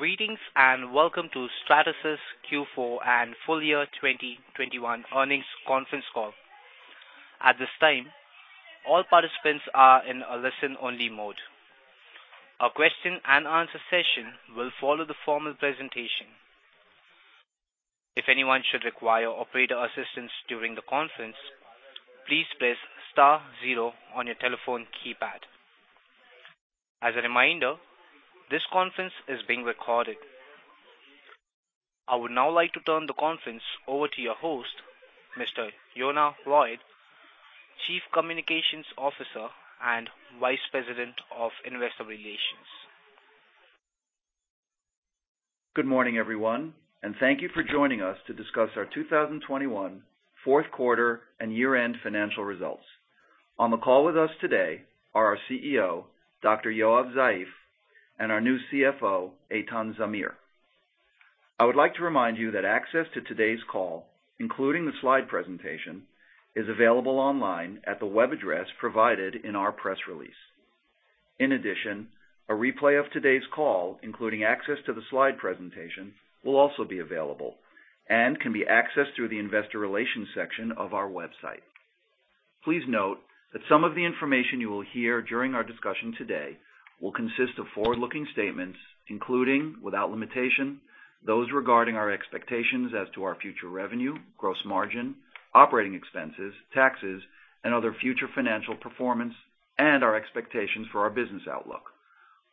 Greetings and welcome to Stratasys Q4 and full year 2021 earnings conference call. At this time, all participants are in a listen-only mode. A question and answer session will follow the formal presentation. If anyone should require operator assistance during the conference, please press star zero on your telephone keypad. As a reminder, this conference is being recorded. I would now like to turn the conference over to your host, Mr. Yonah Lloyd, Chief Communications Officer and Vice President of Investor Relations. Good morning, everyone, and thank you for joining us to discuss our 2021 fourth quarter and year-end financial results. On the call with us today are our CEO, Dr. Yoav Zeif, and our new CFO, Eitan Zamir. I would like to remind you that access to today's call, including the slide presentation, is available online at the web address provided in our press release. In addition, a replay of today's call, including access to the slide presentation, will also be available and can be accessed through the investor relations section of our website. Please note that some of the information you will hear during our discussion today will consist of forward-looking statements, including, without limitation, those regarding our expectations as to our future revenue, gross margin, operating expenses, taxes, and other future financial performance, and our expectations for our business outlook.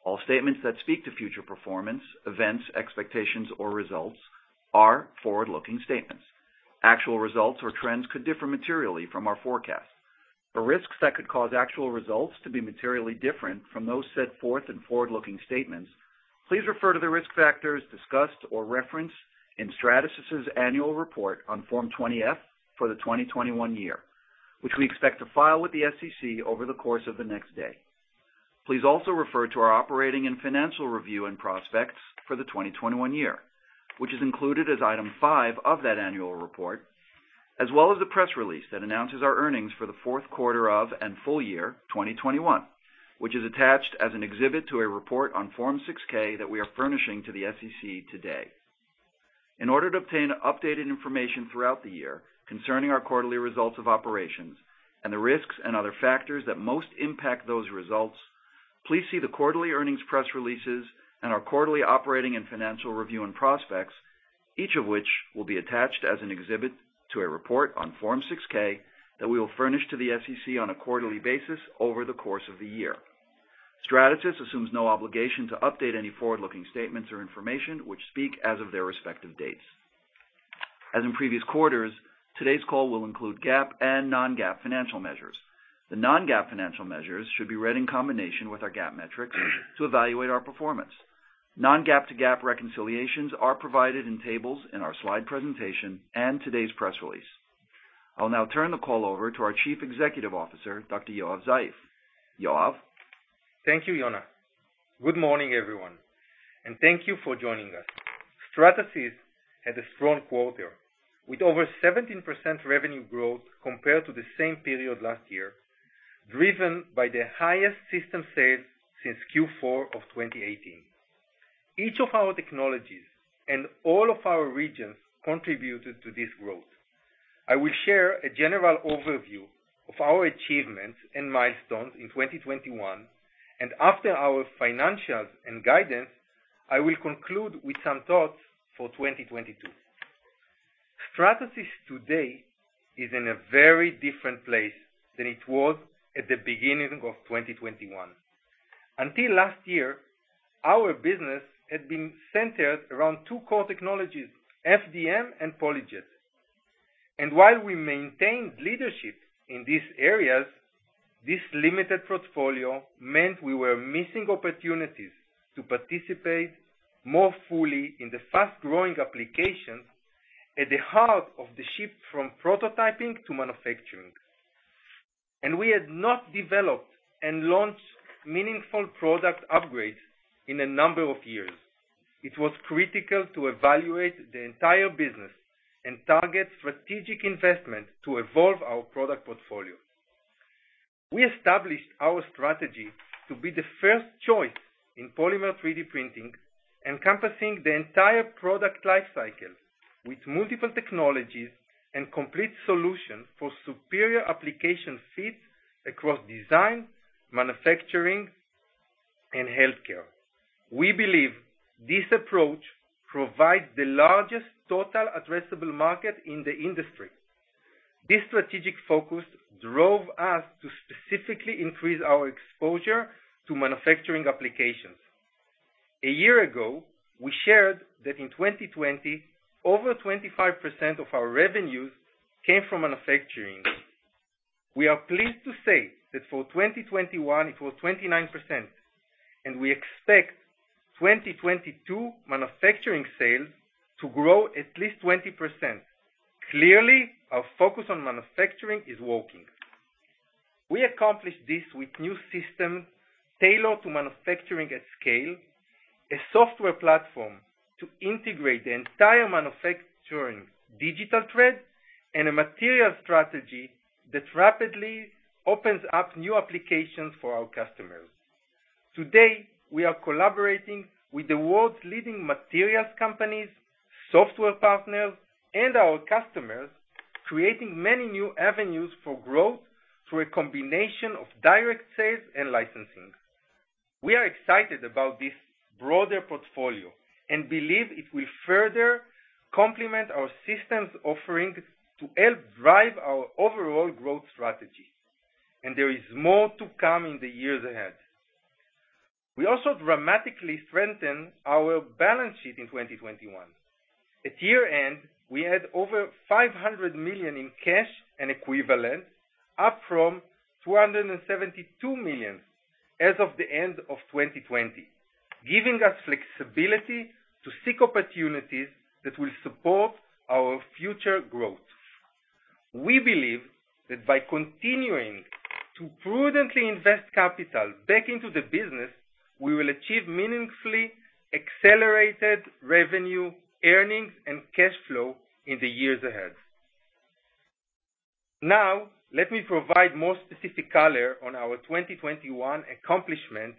All statements that speak to future performance, events, expectations or results are forward-looking statements. Actual results or trends could differ materially from our forecast. For risks that could cause actual results to be materially different from those set forth in forward-looking statements, please refer to the risk factors discussed or referenced in Stratasys' annual report on Form 20-F for the 2021 year, which we expect to file with the SEC over the course of the next day. Please also refer to our operating and financial review and prospects for the 2021 year, which is included as Item 5 of that annual report, as well as the press release that announces our earnings for the fourth quarter of 2021 and full year 2021, which is attached as an exhibit to a report on Form 6-K that we are furnishing to the SEC today. In order to obtain updated information throughout the year concerning our quarterly results of operations and the risks and other factors that most impact those results, please see the quarterly earnings press releases and our quarterly operating and financial review and prospects, each of which will be attached as an exhibit to a report on Form 6-K that we will furnish to the SEC on a quarterly basis over the course of the year. Stratasys assumes no obligation to update any forward-looking statements or information which speak as of their respective dates. As in previous quarters, today's call will include GAAP and non-GAAP financial measures. The non-GAAP financial measures should be read in combination with our GAAP metrics to evaluate our performance. Non-GAAP to GAAP reconciliations are provided in tables in our slide presentation and today's press release. I'll now turn the call over to our Chief Executive Officer, Dr. Yoav Zeif. Thank you, Yonah. Good morning, everyone, and thank you for joining us. Stratasys had a strong quarter with over 17% revenue growth compared to the same period last year, driven by the highest system sales since Q4 of 2018. Each of our technologies and all of our regions contributed to this growth. I will share a general overview of our achievements and milestones in 2021, and after our financials and guidance, I will conclude with some thoughts for 2022. Stratasys today is in a very different place than it was at the beginning of 2021. Until last year, our business had been centered around two core technologies, FDM and PolyJet. While we maintained leadership in these areas, this limited portfolio meant we were missing opportunities to participate more fully in the fast-growing applications at the heart of the shift from prototyping to manufacturing. We had not developed and launched meaningful product upgrades in a number of years. It was critical to evaluate the entire business and target strategic investment to evolve our product portfolio. We established our strategy to be the first choice in polymer 3D printing, encompassing the entire product life cycle with multiple technologies and complete solution for superior application fits across design, manufacturing, and healthcare. We believe this approach provides the largest total addressable market in the industry. This strategic focus drove us to specifically increase our exposure to manufacturing applications. A year ago, we shared that in 2020, over 25% of our revenues came from manufacturing. We are pleased to say that for 2021 it was 29%, and we expect 2022 manufacturing sales to grow at least 20%. Clearly, our focus on manufacturing is working. We accomplished this with new systems tailored to manufacturing at scale, a software platform to integrate the entire manufacturing digital thread, and a material strategy that rapidly opens up new applications for our customers. Today, we are collaborating with the world's leading materials companies, software partners, and our customers, creating many new avenues for growth through a combination of direct sales and licensing. We are excited about this broader portfolio and believe it will further complement our systems offering to help drive our overall growth strategy. There is more to come in the years ahead. We also dramatically strengthened our balance sheet in 2021. At year-end, we had over $500 million in cash and equivalents, up from $272 million as of the end of 2020, giving us flexibility to seek opportunities that will support our future growth. We believe that by continuing to prudently invest capital back into the business, we will achieve meaningfully accelerated revenue earnings and cash flow in the years ahead. Now, let me provide more specific color on our 2021 accomplishments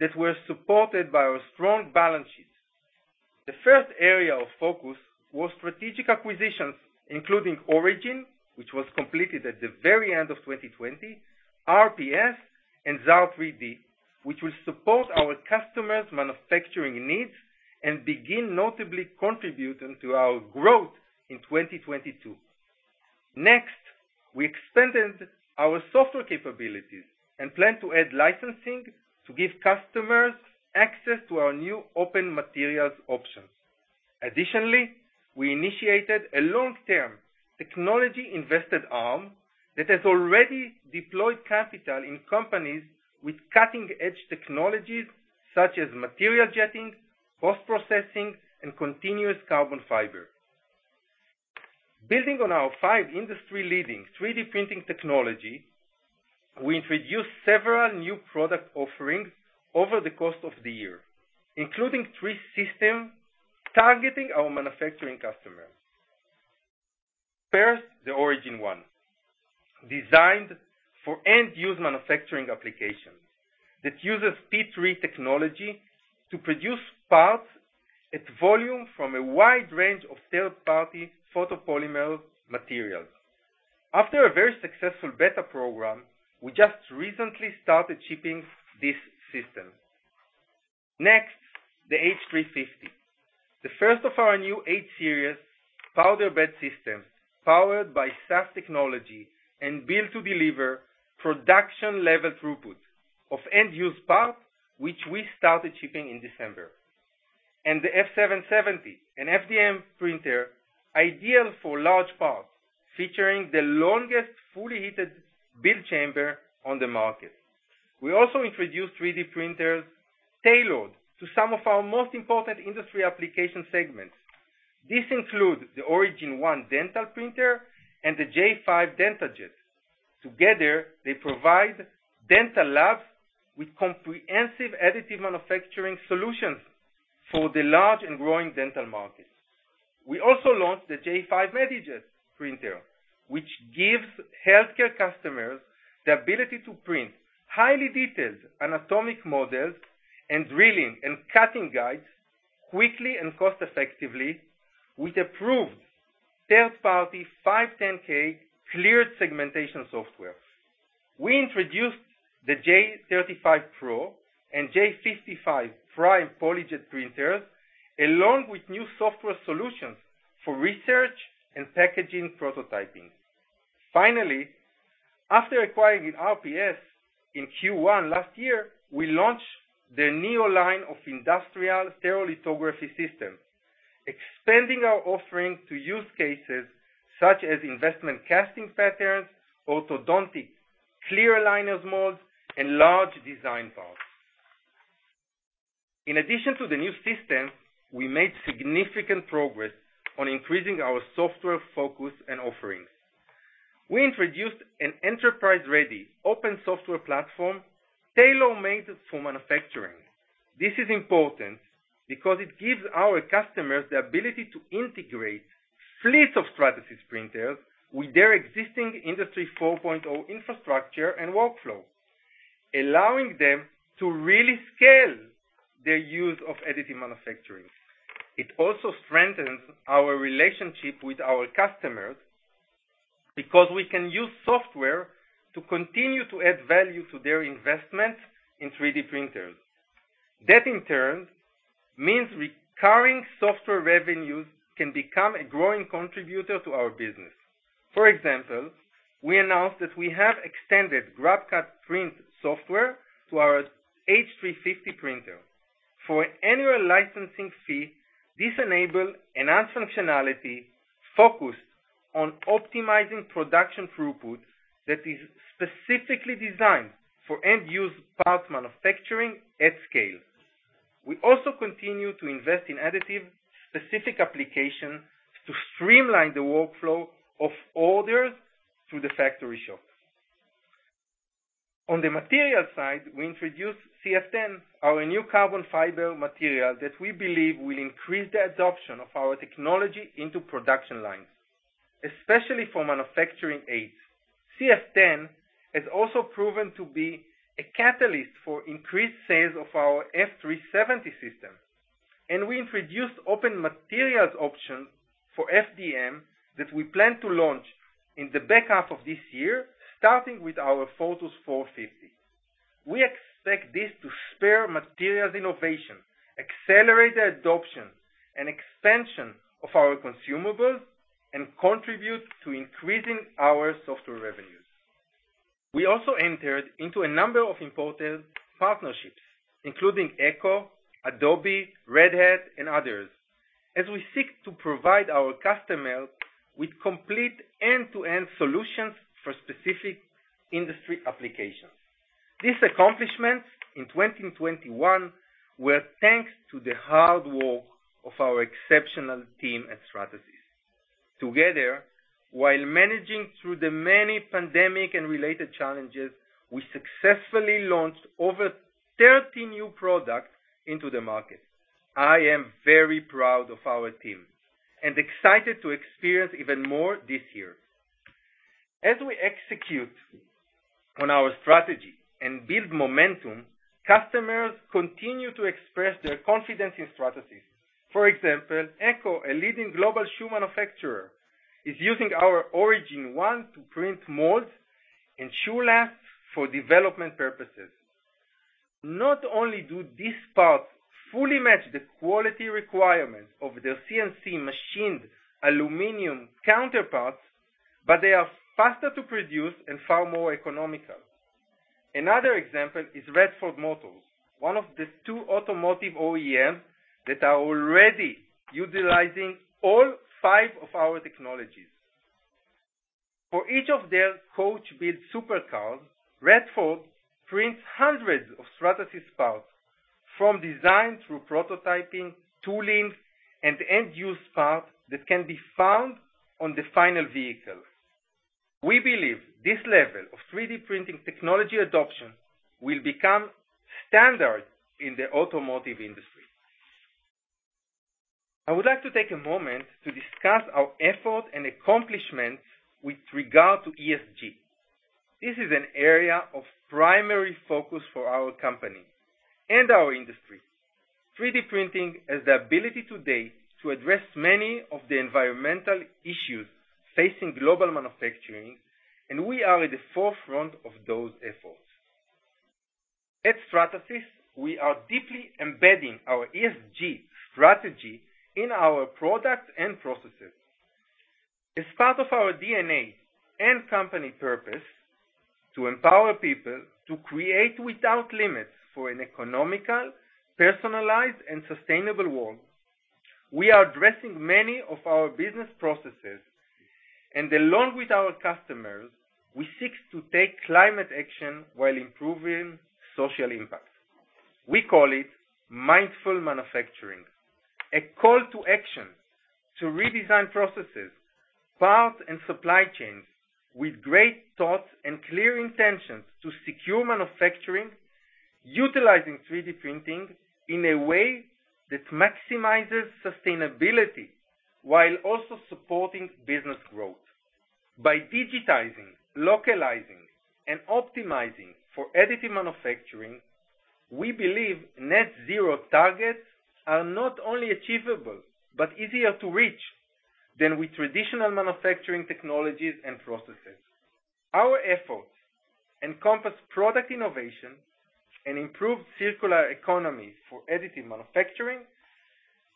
that were supported by our strong balance sheet. The first area of focus was strategic acquisitions, including Origin, which was completed at the very end of 2020, RPS, and Xaar 3D, which will support our customers' manufacturing needs and begin notably contributing to our growth in 2022. Next, we expanded our software capabilities and plan to add licensing to give customers access to our new open materials options. Additionally, we initiated a long-term technology investment arm that has already deployed capital in companies with cutting-edge technologies such as material jetting, post-processing, and continuous carbon fiber. Building on our five industry-leading 3D printing technology, we introduced several new product offerings over the course of the year, including three systems targeting our manufacturing customers. First, the Origin One, designed for end-use manufacturing applications that uses P3 technology to produce parts at volume from a wide range of third-party photopolymer materials. After a very successful beta program, we just recently started shipping this system. Next, the H350, the first of our new H Series powder bed systems, powered by SAF technology and built to deliver production-level throughput of end-use parts which we started shipping in December. The F770, an FDM printer ideal for large parts, featuring the longest fully heated build chamber on the market. We also introduced 3D printers tailored to some of our most important industry application segments. This includes the Origin One Dental printer and the J5 DentaJet. Together, they provide dental labs with comprehensive additive manufacturing solutions for the large and growing dental market. We also launched the J5 MediJet printer, which gives healthcare customers the ability to print highly detailed anatomical models and drilling and cutting guides quickly and cost-effectively with approved third-party 510(k)-cleared segmentation software. We introduced the J35 Pro and J55 Prime PolyJet printers, along with new software solutions for research and packaging prototyping. Finally, after acquiring RPS in Q1 last year, we launched the Neo line of industrial stereolithography systems, expanding our offerings to use cases such as investment casting patterns, orthodontic clear aligners molds, and large design parts. In addition to the new systems, we made significant progress on increasing our software focus and offerings. We introduced an enterprise-ready open software platform tailor-made for manufacturing. This is important because it gives our customers the ability to integrate fleets of Stratasys printers with their existing Industry 4.0 infrastructure and workflow, allowing them to really scale their use of additive manufacturing. It also strengthens our relationship with our customers because we can use software to continue to add value to their investments in 3D printers. That in turn means recurring software revenues can become a growing contributor to our business. For example, we announced that we have extended GrabCAD Print software to our H350 printer. For an annual licensing fee, this enabled enhanced functionality focused on optimizing production throughput that is specifically designed for end-use parts manufacturing at scale. We also continue to invest in additive specific applications to streamline the workflow of orders through the factory shop. On the material side, we introduced CF-10, our new carbon fiber material that we believe will increase the adoption of our technology into production lines, especially for manufacturing aids. CF-10 has also proven to be a catalyst for increased sales of our F370 system. We introduced open materials option for FDM that we plan to launch in the back half of this year, starting with our Fortus 450. We expect this to spur materials innovation, accelerate the adoption and expansion of our consumables, and contribute to increasing our software revenues. We also entered into a number of important partnerships, including ECCO, Adobe, Red Hat, and others, as we seek to provide our customers with complete end-to-end solutions for specific industry applications. These accomplishments in 2021 were thanks to the hard work of our exceptional team at Stratasys. Together, while managing through the many pandemic and related challenges, we successfully launched over 30 new products into the market. I am very proud of our team and excited to experience even more this year. As we execute on our strategy and build momentum, customers continue to express their confidence in Stratasys. For example, ECCO, a leading global shoe manufacturer, is using our Origin One to print molds and shoe lasts for development purposes. Not only do these parts fully match the quality requirements of their CNC machined aluminum counterparts, but they are faster to produce and far more economical. Another example is Radford Motor Company, one of the two automotive OEM that are already utilizing all five of our technologies. For each of their coachbuilt supercars, Radford prints hundreds of Stratasys parts, from design through prototyping, tooling, and end-use parts that can be found on the final vehicle. We believe this level of 3D printing technology adoption will become standard in the automotive industry. I would like to take a moment to discuss our effort and accomplishments with regard to ESG. This is an area of primary focus for our company and our industry. 3D printing has the ability today to address many of the environmental issues facing global manufacturing, and we are at the forefront of those efforts. At Stratasys, we are deeply embedding our ESG strategy in our products and processes. As part of our DNA and company purpose to empower people to create without limits for an economical, personalized, and sustainable world, we are addressing many of our business processes. Along with our customers, we seek to take climate action while improving social impact. We call it mindful manufacturing, a call to action to redesign processes, parts, and supply chains with great thought and clear intentions to secure manufacturing, utilizing 3D printing in a way that maximizes sustainability while also supporting business growth. By digitizing, localizing, and optimizing for additive manufacturing, we believe net zero targets are not only achievable, but easier to reach than with traditional manufacturing technologies and processes. Our efforts encompass product innovation and improved circular economies for additive manufacturing,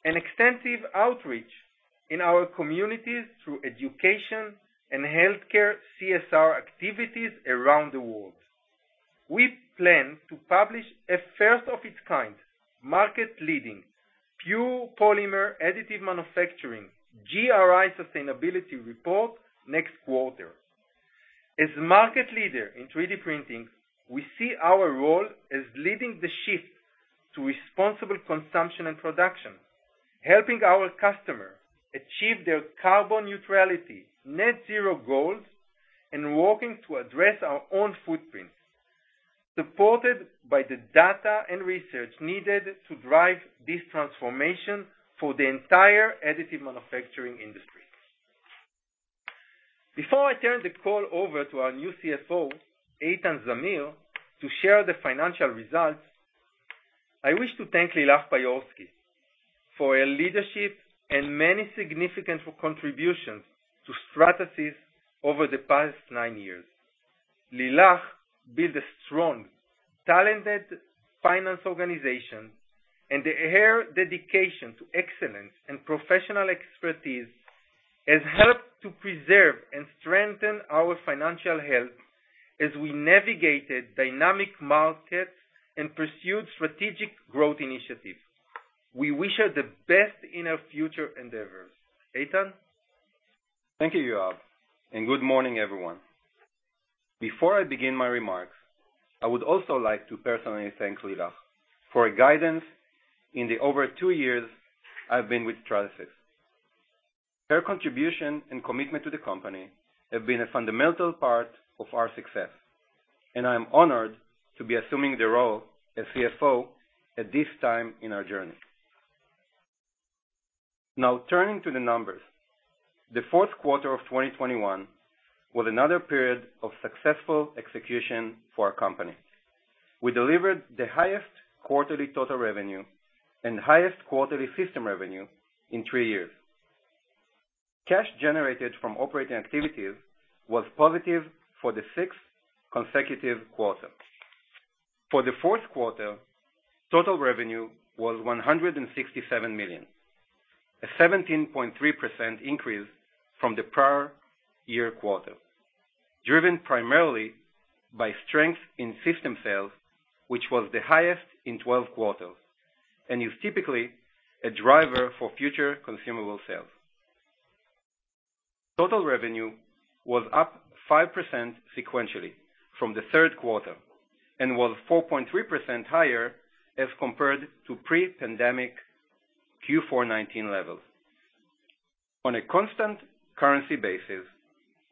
and extensive outreach in our communities through education and healthcare CSR activities around the world. We plan to publish a first of its kind, market-leading, pure polymer additive manufacturing GRI sustainability report next quarter. As the market leader in 3D printing, we see our role as leading the shift to responsible consumption and production, helping our customers achieve their carbon neutrality, net zero goals, and working to address our own footprints, supported by the data and research needed to drive this transformation for the entire additive manufacturing industry. Before I turn the call over to our new CFO, Eitan Zamir, to share the financial results, I wish to thank Lilach Payorski for her leadership and many significant contributions to Stratasys over the past nine years. Lilach built a strong, talented finance organization, and her dedication to excellence and professional expertise has helped to preserve and strengthen our financial health as we navigated dynamic markets and pursued strategic growth initiatives. We wish her the best in her future endeavors. Eitan? Thank you, Yoav, and good morning, everyone. Before I begin my remarks, I would also like to personally thank Lilach for her guidance in the over 2 years I've been with Stratasys. Her contribution and commitment to the company have been a fundamental part of our success, and I am honored to be assuming the role as CFO at this time in our journey. Now turning to the numbers. The fourth quarter of 2021 was another period of successful execution for our company. We delivered the highest quarterly total revenue and highest quarterly system revenue in 3 years. Cash generated from operating activities was positive for the sixth consecutive quarter. For the fourth quarter, total revenue was $167 million, a 17.3% increase from the prior year quarter, driven primarily by strength in system sales, which was the highest in twelve quarters and is typically a driver for future consumable sales. Total revenue was up 5% sequentially from the third quarter and was 4.3% higher as compared to pre-pandemic Q4 2019 levels. On a constant currency basis,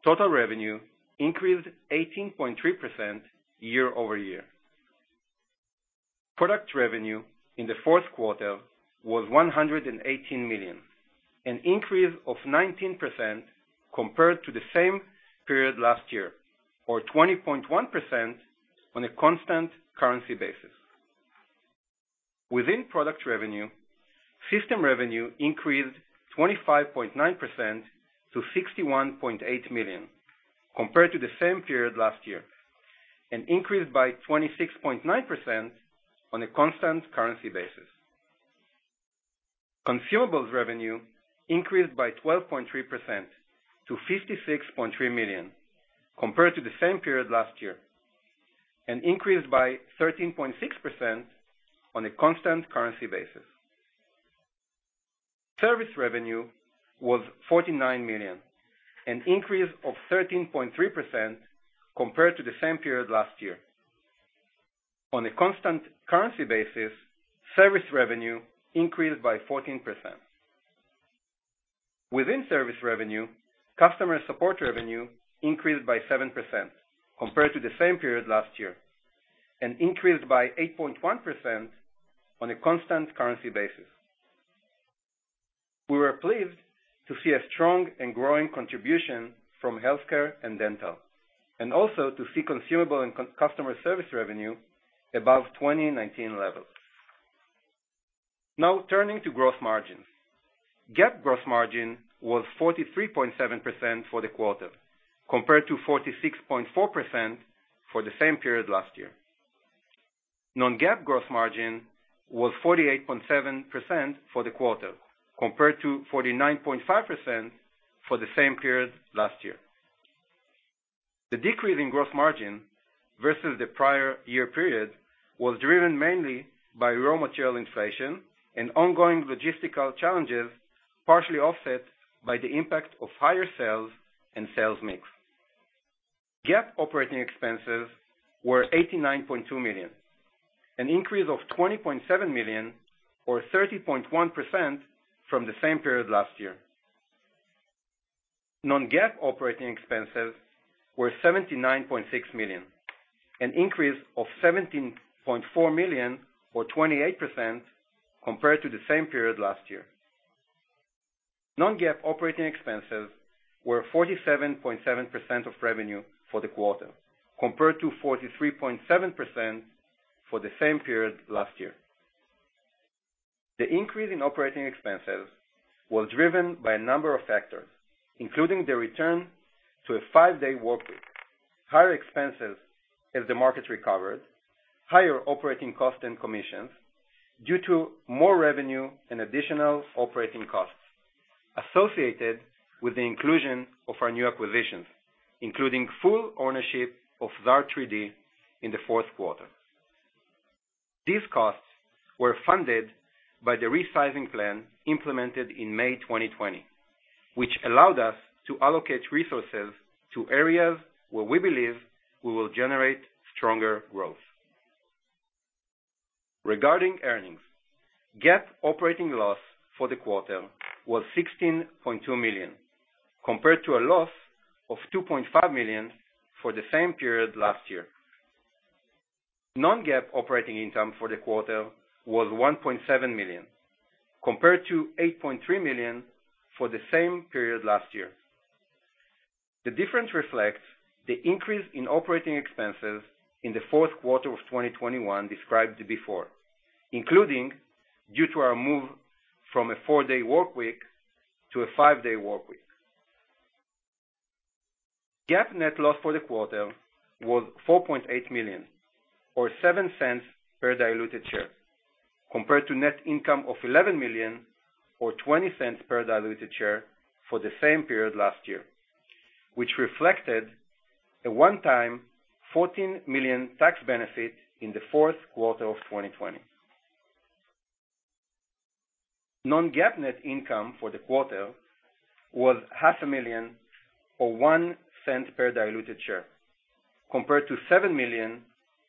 total revenue increased 18.3% year-over-year. Product revenue in the fourth quarter was $118 million, an increase of 19% compared to the same period last year, or 20.1% on a constant currency basis. Within product revenue, system revenue increased 25.9% to $61.8 million compared to the same period last year, and increased by 26.9% on a constant currency basis. Consumables revenue increased by 12.3% to $56.3 million compared to the same period last year, and increased by 13.6% on a constant currency basis. Service revenue was $49 million, an increase of 13.3% compared to the same period last year. On a constant currency basis, service revenue increased by 14%. Within service revenue, customer support revenue increased by 7% compared to the same period last year, and increased by 8.1% on a constant currency basis. We were pleased to see a strong and growing contribution from healthcare and dental, and also to see consumable and customer service revenue above 2019 levels. Now turning to gross margins. GAAP gross margin was 43.7% for the quarter, compared to 46.4% for the same period last year. non-GAAP gross margin was 48.7% for the quarter, compared to 49.5% for the same period last year. The decrease in gross margin versus the prior year period was driven mainly by raw material inflation and ongoing logistical challenges, partially offset by the impact of higher sales and sales mix. GAAP operating expenses were $89.2 million, an increase of $20.7 million or 30.1% from the same period last year. non-GAAP operating expenses were $79.6 million, an increase of $17.4 million or 28% compared to the same period last year. non-GAAP operating expenses were 47.7% of revenue for the quarter, compared to 43.7% for the same period last year. The increase in operating expenses was driven by a number of factors, including the return to a five-day workweek, higher expenses as the market recovered, higher operating costs and commissions due to more revenue and additional operating costs associated with the inclusion of our new acquisitions, including full ownership of Xaar 3D in the fourth quarter. These costs were funded by the resizing plan implemented in May 2020, which allowed us to allocate resources to areas where we believe we will generate stronger growth. Regarding earnings, GAAP operating loss for the quarter was $16.2 million, compared to a loss of $2.5 million for the same period last year. Non-GAAP operating income for the quarter was $1.7 million, compared to $8.3 million for the same period last year. The difference reflects the increase in operating expenses in the fourth quarter of 2021 described before, including due to our move from a four-day workweek to a five-day workweek. GAAP net loss for the quarter was $4.8 million or $0.07 per diluted share, compared to net income of $11 million or $0.20 per diluted share for the same period last year, which reflected a one-time $14 million tax benefit in the fourth quarter of 2020. Non-GAAP net income for the quarter was $ half a million or $0.01 per diluted share. Compared to $7 million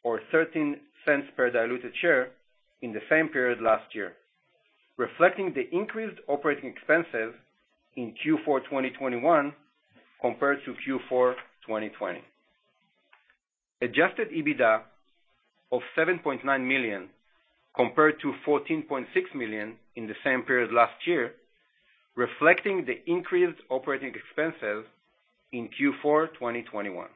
or $0.13 per diluted share in the same period last year, reflecting the increased operating expenses in Q4 2021 compared to Q4 2020. Adjusted EBITDA of $7.9 million compared to $14.6 million in the same period last year, reflecting the increased operating expenses in Q4 2021.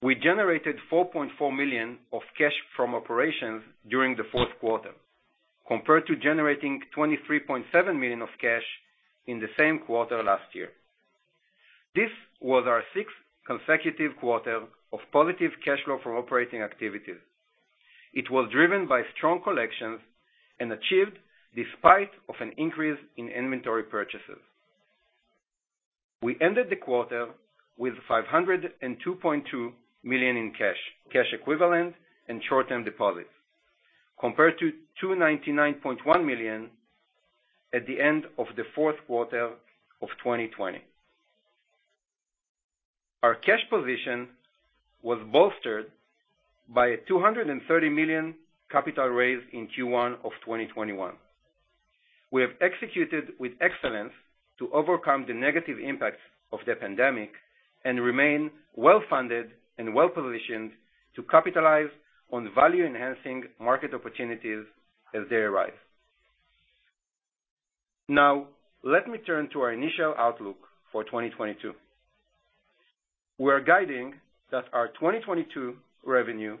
We generated $4.4 million of cash from operations during the fourth quarter, compared to generating $23.7 million of cash in the same quarter last year. This was our sixth consecutive quarter of positive cash flow from operating activities. It was driven by strong collections and achieved despite of an increase in inventory purchases. We ended the quarter with $502.2 million in cash equivalents, and short-term deposits, compared to $299.1 million at the end of the fourth quarter of 2020. Our cash position was bolstered by a $230 million capital raise in Q1 of 2021. We have executed with excellence to overcome the negative impacts of the pandemic and remain well-funded and well-positioned to capitalize on value-enhancing market opportunities as they arise. Now, let me turn to our initial outlook for 2022. We're guiding that our 2022 revenue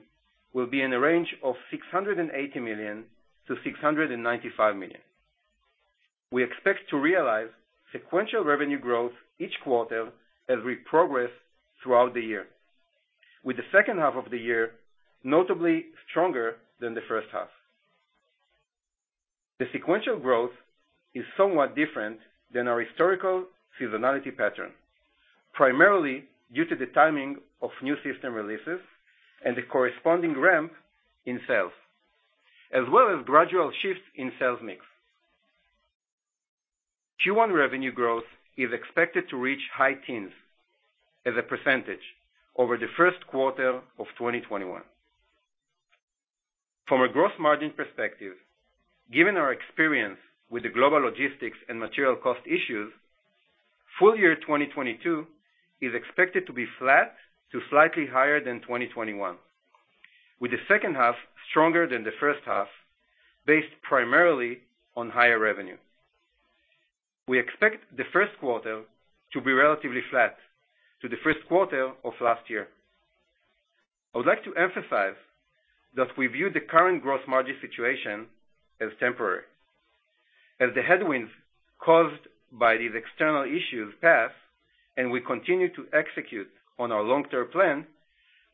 will be in a range of $680 million-$695 million. We expect to realize sequential revenue growth each quarter as we progress throughout the year, with the second half of the year notably stronger than the first half. The sequential growth is somewhat different than our historical seasonality pattern, primarily due to the timing of new system releases and the corresponding ramp in sales, as well as gradual shifts in sales mix. Q1 revenue growth is expected to reach high teens% over the first quarter of 2021. From a gross margin perspective, given our experience with the global logistics and material cost issues, full year 2022 is expected to be flat to slightly higher than 2021, with the second half stronger than the first half, based primarily on higher revenue. We expect the first quarter to be relatively flat to the first quarter of last year. I would like to emphasize that we view the current gross margin situation as temporary. As the headwinds caused by these external issues pass and we continue to execute on our long-term plan,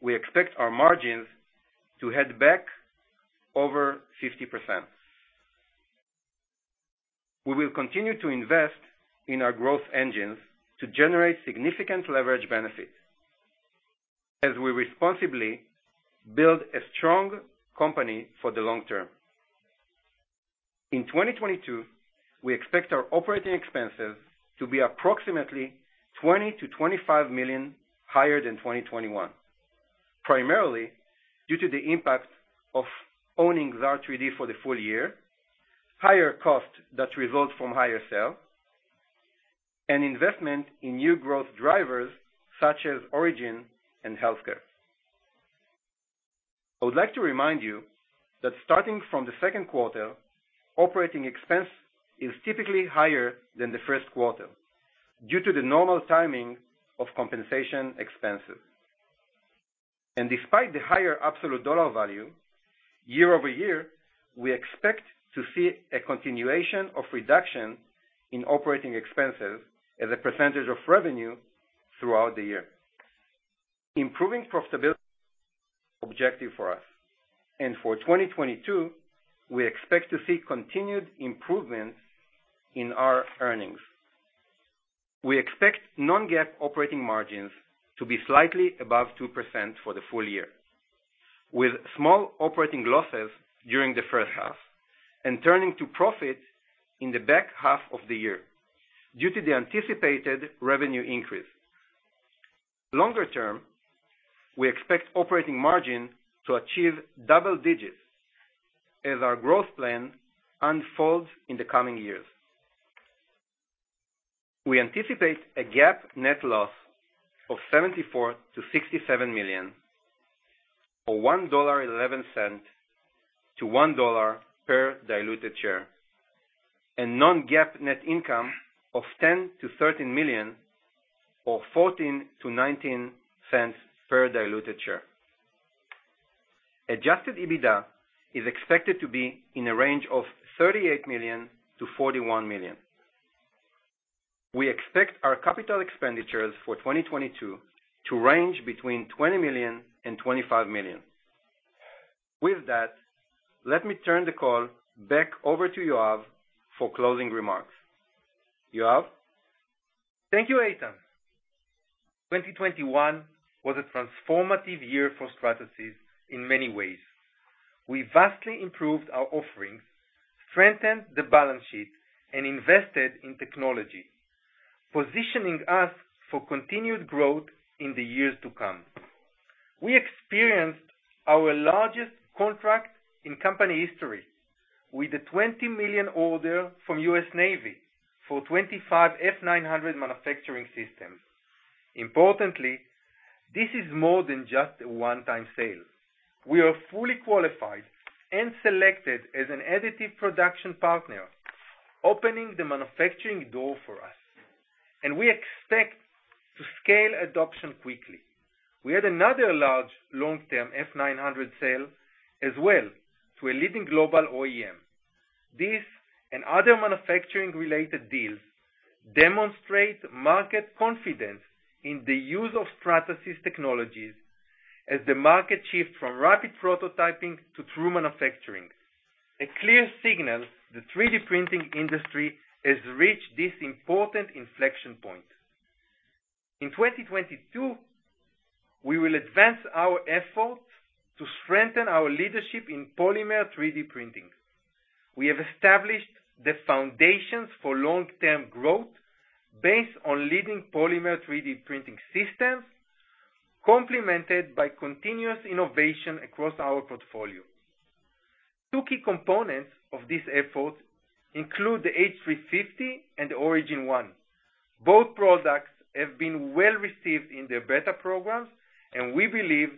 we expect our margins to head back over 50%. We will continue to invest in our growth engines to generate significant leverage benefits as we responsibly build a strong company for the long term. In 2022, we expect our operating expenses to be approximately $20 million-$25 million higher than 2021, primarily due to the impact of owning Xaar 3D for the full year, higher costs that result from higher sales, and investment in new growth drivers such as Origin and healthcare. I would like to remind you that starting from the second quarter, operating expense is typically higher than the first quarter due to the normal timing of compensation expenses. Despite the higher absolute dollar value year-over-year, we expect to see a continuation of reduction in operating expenses as a percentage of revenue throughout the year. Improving profitability objective for us. For 2022, we expect to see continued improvements in our earnings. We expect non-GAAP operating margins to be slightly above 2% for the full year, with small operating losses during the first half, and turning to profit in the back half of the year due to the anticipated revenue increase. Longer term, we expect operating margin to achieve double digits as our growth plan unfolds in the coming years. We anticipate a GAAP net loss of $74 million-$67 million, or $1.11-$1.00 per diluted share, and non-GAAP net income of $10 million-$13 million or $0.14-$0.19 per diluted share. Adjusted EBITDA is expected to be in a range of $38 million-$41 million. We expect our capital expenditures for 2022 to range between $20 million and $25 million. With that, let me turn the call back over to Yoav for closing remarks. Yoav? Thank you, Eitan. 2021 was a transformative year for Stratasys in many ways. We vastly improved our offerings, strengthened the balance sheet, and invested in technology, positioning us for continued growth in the years to come. We experienced our largest contract in company history with a $20 million order from U.S. Navy for 25 F900 manufacturing systems. Importantly, this is more than just a one-time sale. We are fully qualified and selected as an additive production partner, opening the manufacturing door for us, and we expect to scale adoption quickly. We had another large long-term F900 sale as well to a leading global OEM. This and other manufacturing related deals demonstrate market confidence in the use of Stratasys technologies as the market shift from rapid prototyping to true manufacturing. A clear signal, the 3D printing industry has reached this important inflection point. In 2022, we will advance our efforts to strengthen our leadership in polymer 3D printing. We have established the foundations for long-term growth based on leading polymer 3D printing systems, complemented by continuous innovation across our portfolio. Two key components of this effort include the H350 and Origin One. Both products have been well received in their beta programs, and we believe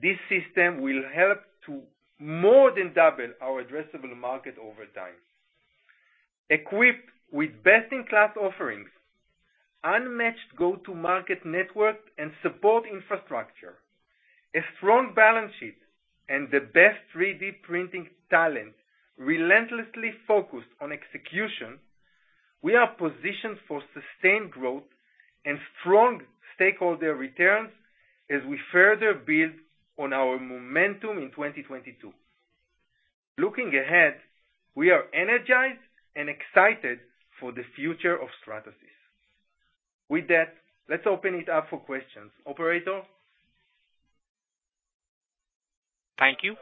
this system will help to more than double our addressable market over time. Equipped with best-in-class offerings, unmatched go-to-market network and support infrastructure, a strong balance sheet and the best 3D printing talent relentlessly focused on execution, we are positioned for sustained growth and strong stakeholder returns as we further build on our momentum in 2022. Looking ahead, we are energized and excited for the future of Stratasys. With that, let's open it up for questions. Operator? Thank you.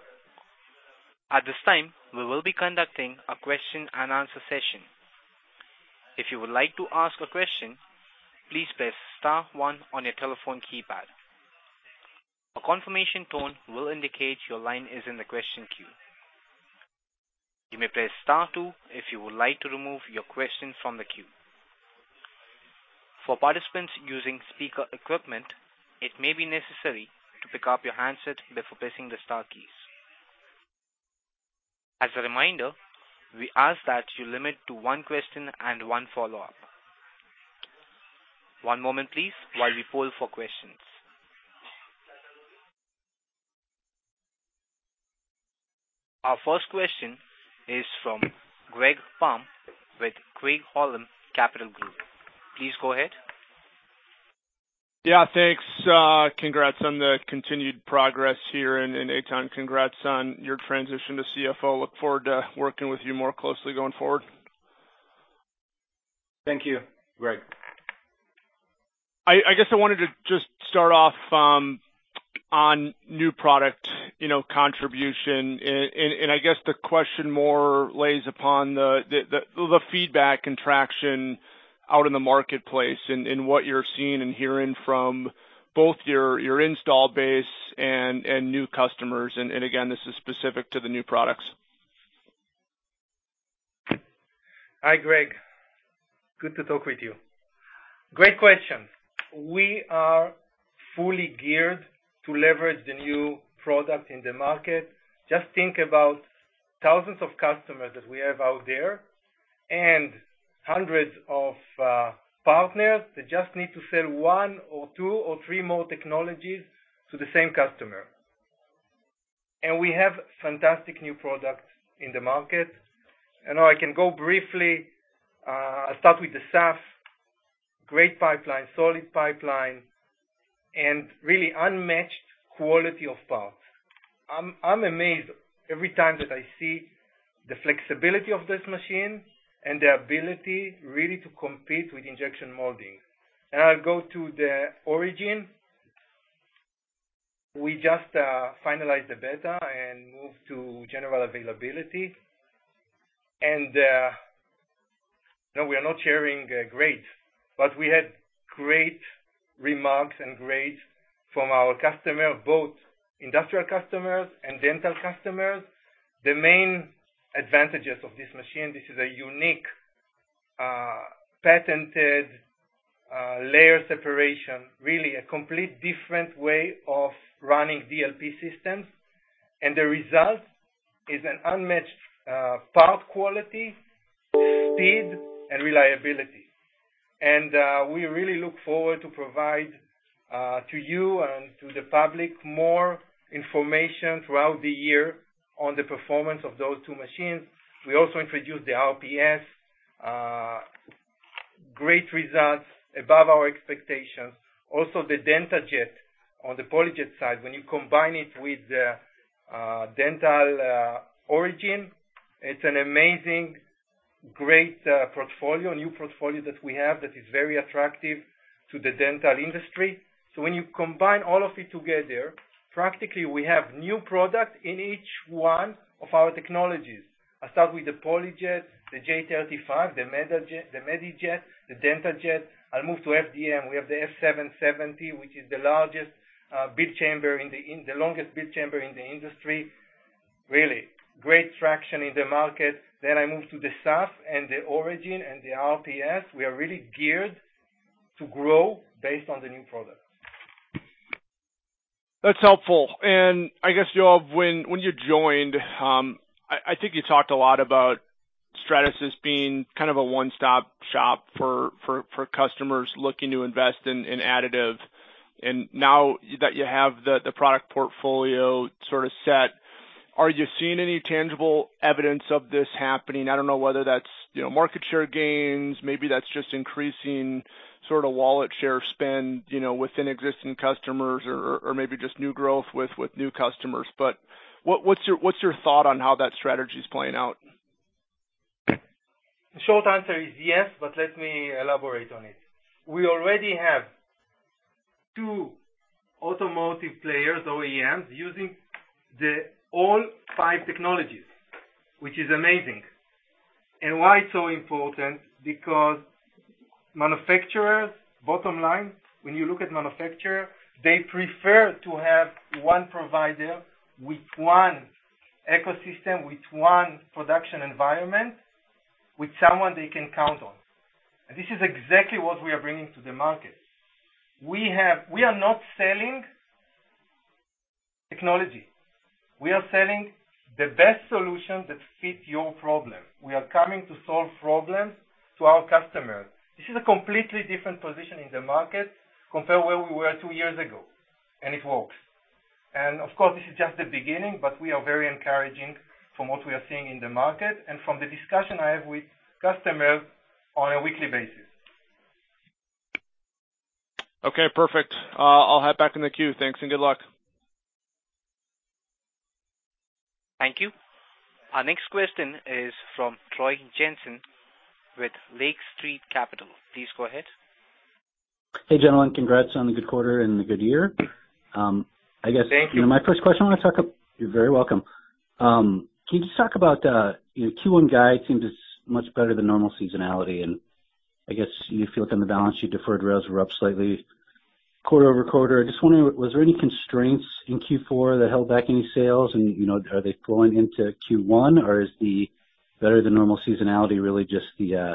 At this time, we will be conducting a question and answer session. If you would like to ask a question, please press star one on your telephone keypad. A confirmation tone will indicate your line is in the question queue. You may press star two if you would like to remove your question from the queue. For participants using speaker equipment, it may be necessary to pick up your handset before pressing the star keys. As a reminder, we ask that you limit to one question and one follow-up. One moment please, while we poll for questions. Our first question is from Greg Palm with Craig-Hallum Capital Group. Please go ahead. Yeah, thanks. Congrats on the continued progress here. Eitan, congrats on your transition to CFO. Look forward to working with you more closely going forward. Thank you, Greg. I wanted to just start off on new product contribution. The question lies more upon the feedback and traction out in the marketplace and what you're seeing and hearing from both your installed base and new customers. Again, this is specific to the new products. Hi, Greg. Good to talk with you. Great question. We are fully geared to leverage the new product in the market. Just think about thousands of customers that we have out there and hundreds of partners that just need to sell one or two or three more technologies to the same customer. We have fantastic new products in the market. I know I can go briefly, start with the SAF, great pipeline, solid pipeline and really unmatched quality of parts. I'm amazed every time that I see the flexibility of this machine and the ability really to compete with injection molding. I'll go to the Origin. We just finalized the beta and moved to general availability. No, we are not sharing grades, but we had great remarks and grades from our customers, both industrial customers and dental customers. The main advantages of this machine, this is a unique, patented, layer separation, really a complete different way of running DLP systems. The result is an unmatched part quality, speed and reliability. We really look forward to provide to you and to the public more information throughout the year on the performance of those two machines. We also introduced the RPS, great results above our expectations. The J5 DentaJet on the PolyJet side, when you combine it with the Origin One Dental, it's an amazing, great portfolio, new portfolio that we have that is very attractive to the dental industry. When you combine all of it together, practically we have new product in each one of our technologies. I start with the PolyJet, the J35 Pro, the J5 MediJet, the J5 DentaJet. I move to FDM. We have the F770, which is the largest build chamber, the longest build chamber in the industry. Really great traction in the market. I move to the SAF, and the Origin, and the RPS. We are really geared to grow based on the new product. That's helpful. Yoav, when you joined, you talked a lot about Stratasys being kind of a one-stop shop for customers looking to invest in additive. Now that you have the product portfolio sort of set, are you seeing any tangible evidence of this happening? I don't know whether that's market share gains, maybe that's just increasing sort of wallet share spend within existing customers or maybe just new growth with new customers. What's your thought on how that strategy is playing out? The short answer is yes, but let me elaborate on it. We already have two automotive players, OEMs, using the all five technologies, which is amazing. Why it's so important? Because manufacturers, bottom line, when you look at manufacturer, they prefer to have one provider with one ecosystem, with one production environment, with someone they can count on. This is exactly what we are bringing to the market. We are not selling technology. We are selling the best solution that fits your problem. We are coming to solve problems to our customers. This is a completely different position in the market compared where we were two years ago, and it works. Of course, this is just the beginning, but we are very encouraging from what we are seeing in the market and from the discussion I have with customers on a weekly basis. Okay, perfect. I'll head back in the queue. Thanks, and good luck. Thank you. Our next question is from Troy Jensen with Lake Street Capital. Please go ahead. Hey, gentlemen. Congrats on the good quarter and the good year. I guess- Thank you. My first question, I wanna talk. You're very welcome. Can you just talk about Q1 guide seems it's much better than normal seasonality, and you feel it in the balance, your deferred revs were up slightly quarter-over-quarter. I'm just wondering, was there any constraints in Q4 that held back any sales and are they flowing into Q1 or is the better than normal seasonality really just the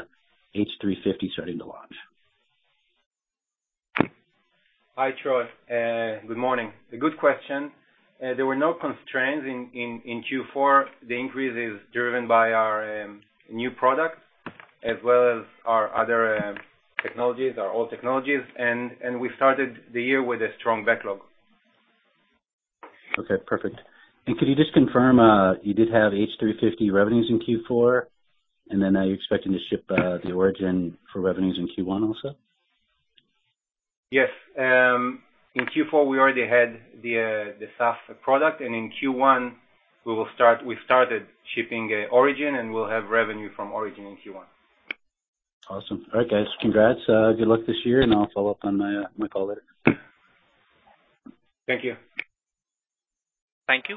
H350 starting to launch? Hi, Troy. Good morning. A good question. There were no constraints in Q4. The increase is driven by our new products as well as our other technologies, our old technologies, and we started the year with a strong backlog. Okay, perfect. Could you just confirm you did have H350 revenues in Q4, and then are you expecting to ship the Origin for revenues in Q1 also? Yes. In Q4, we already had the SAF product, and in Q1, we started shipping Origin, and we'll have revenue from Origin in Q1. Awesome. All right, guys. Congrats. Good luck this year, and I'll follow up on my call later. Thank you. Thank you.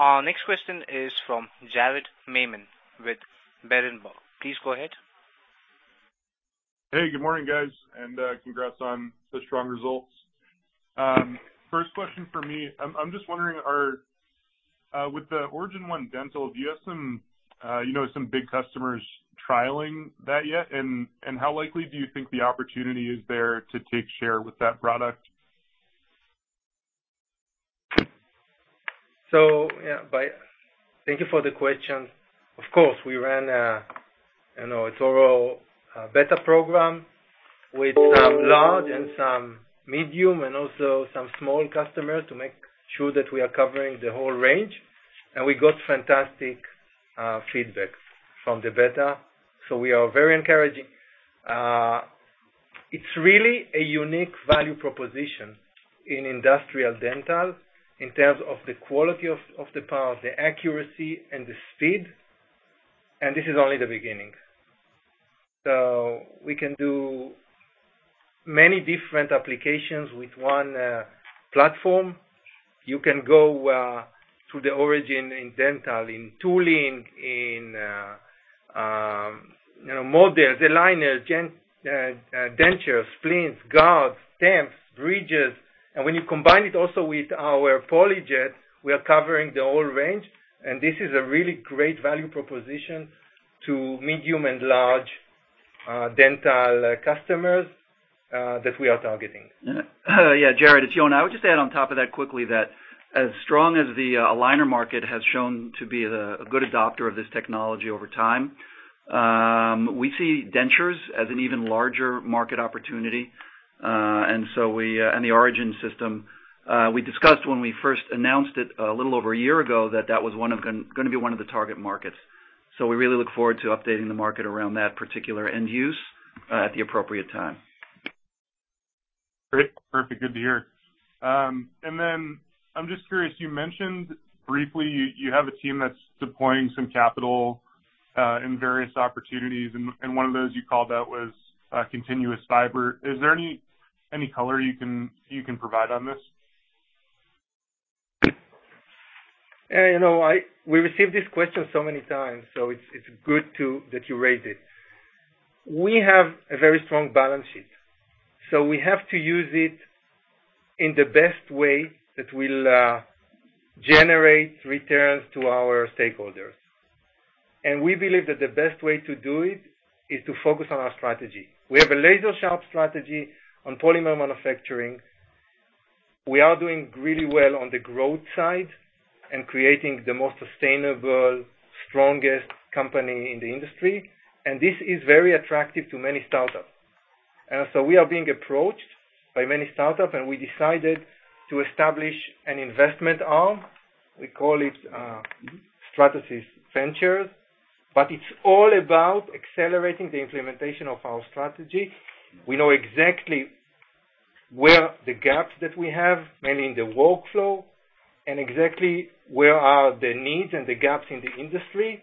Our next question is from Jared Maymon with Berenberg. Please go ahead. Hey, good morning, guys, and congrats on the strong results. First question for me. I'm just wondering, with the Origin One Dental, do you have some big customers trialing that yet? How likely do you think the opportunity is there to take share with that product? Thank you for the question. Of course, we ran a total beta program with some large and some medium and also some small customers to make sure that we are covering the whole range. We got fantastic feedback from the beta. We are very encouraging. It's really a unique value proposition in industrial dental in terms of the quality of the part, the accuracy and the speed, and this is only the beginning. We can do many different applications with one platform. You can go to the Origin in dental, in tooling, in models, aligners, dentures, splints, guards, stamps, bridges. When you combine it also with our PolyJet, we are covering the whole range, and this is a really great value proposition to medium and large dental customers that we are targeting. Yeah. Jared, it's Yonah. I would just add on top of that quickly that as strong as the aligner market has shown to be a good adopter of this technology over time, we see dentures as an even larger market opportunity. The Origin system we discussed when we first announced it a little over a year ago, that was gonna be one of the target markets. We really look forward to updating the market around that particular end use at the appropriate time. Great. Perfect. Good to hear. Then I'm just curious. You mentioned briefly you have a team that's deploying some capital in various opportunities, and one of those you called out was continuous fiber. Is there any color you can provide on this? Yeah, we received this question so many times, so it's good, too, that you raised it. We have a very strong balance sheet, so we have to use it in the best way that will generate returns to our stakeholders. We believe that the best way to do it is to focus on our strategy. We have a laser-sharp strategy on polymer manufacturing. We are doing really well on the growth side and creating the most sustainable, strongest company in the industry, and this is very attractive to many startups. We are being approached by many startup, and we decided to establish an investment arm we call it, Stratasys Ventures. It's all about accelerating the implementation of our strategy. We know exactly where the gaps that we have, mainly in the workflow, and exactly where are the needs and the gaps in the industry,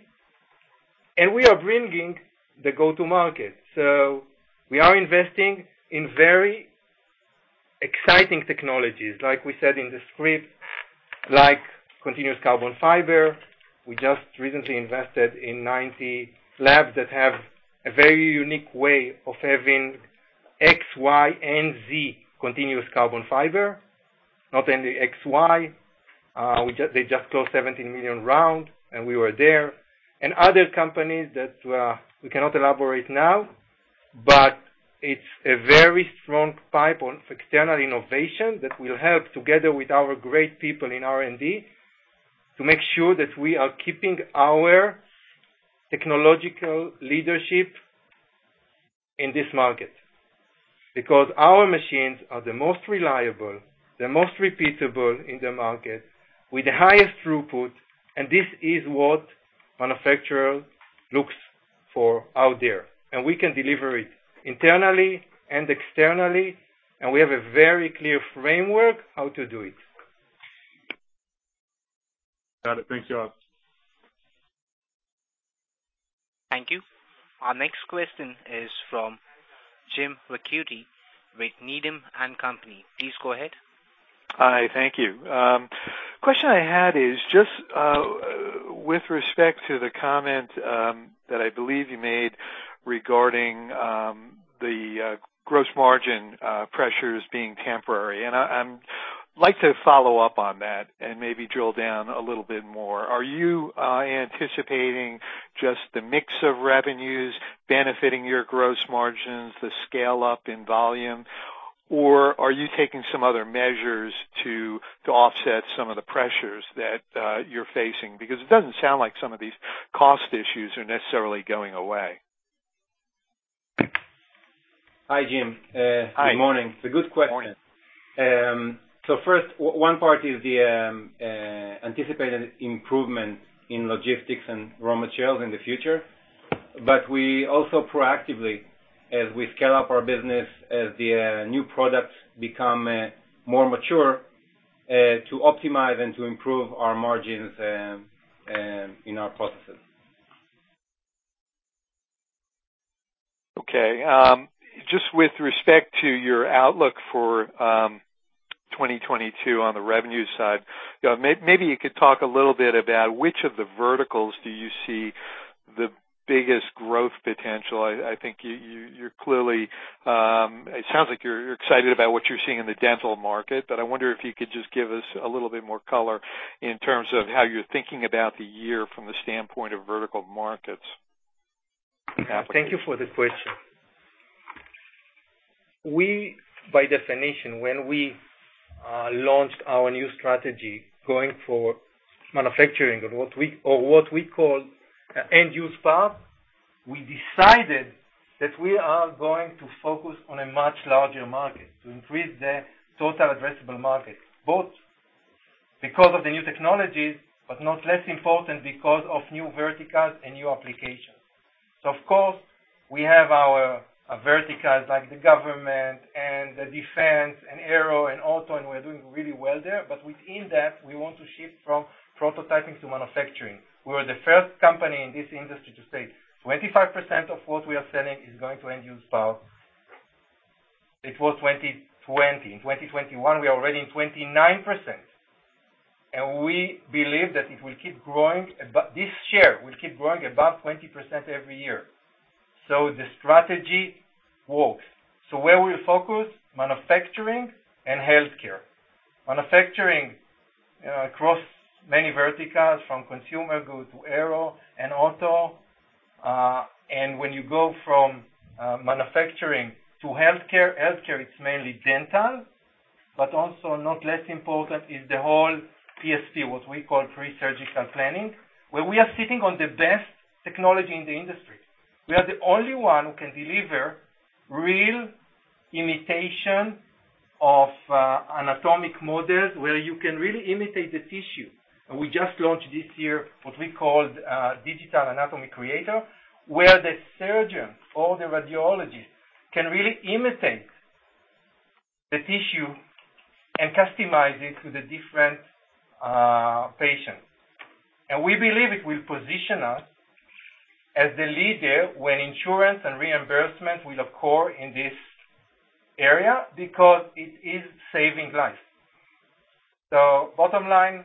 and we are bringing the go-to market. We are investing in very exciting technologies, like we said in the script, like continuous carbon fiber. We just recently invested in 9T Labs that have a very unique way of having X, Y, and Z continuous carbon fiber, not only X, Y. They just closed $17 million round, and we were there. Other companies that we cannot elaborate now, but it's a very strong pipeline of external innovation that will help together with our great people in R&D to make sure that we are keeping our technological leadership in this market. Because our machines are the most reliable, the most repeatable in the market with the highest throughput, and this is what manufacturer looks for out there. We can deliver it internally and externally, and we have a very clear framework how to do it. Got it. Thank you. Thank you. Our next question is from Jim Ricchiuti with Needham & Company. Please go ahead. Hi. Thank you. The question I had is just with respect to the comment that I believe you made regarding the gross margin pressures being temporary, and I'd like to follow up on that and maybe drill down a little bit more. Are you anticipating just the mix of revenues benefiting your gross margins, the scale-up in volume? Or are you taking some other measures to offset some of the pressures that you're facing? Because it doesn't sound like some of these cost issues are necessarily going away. Hi, Jim. Hi. Good morning. It's a good question. Morning. First one part is the anticipated improvement in logistics and raw materials in the future. We also proactively, as we scale up our business, as the new products become more mature, to optimize and to improve our margins in our processes. Okay. Just with respect to your outlook for 2022 on the revenue side, maybe you could talk a little bit about which of the verticals do you see the biggest growth potential. You're clearly, it sounds like you're excited about what you're seeing in the dental market, but I wonder if you could just give us a little bit more color in terms of how you're thinking about the year from the standpoint of vertical markets. Thank you for the question. We, by definition, when we launched our new strategy going for manufacturing or what we call end use parts, we decided that we are going to focus on a much larger market to increase the total addressable market, both because of the new technologies, but not less important because of new verticals and new applications. Of course, we have our verticals like the government and the defense and aero and auto, and we're doing really well there. Within that, we want to shift from prototyping to manufacturing. We are the first company in this industry to say 25% of what we are selling is going to end use parts. It was 2020. In 2021, we are already in 29%. We believe that it will keep growing, but this year will keep growing above 20% every year. The strategy works. Where we focus, manufacturing and healthcare. Manufacturing across many verticals, from consumer goods to aero and auto. When you go from manufacturing to healthcare, it's mainly dental, but also not less important is the whole PST, what we call pre-surgical planning, where we are sitting on the best technology in the industry. We are the only one who can deliver real imitation of anatomic models where you can really imitate the tissue. We just launched this year what we called Digital Anatomy Creator, where the surgeon or the radiologist can really imitate the tissue and customize it to the different patient. We believe it will position us as the leader when insurance and reimbursement will occur in this area because it is saving lives. Bottom line,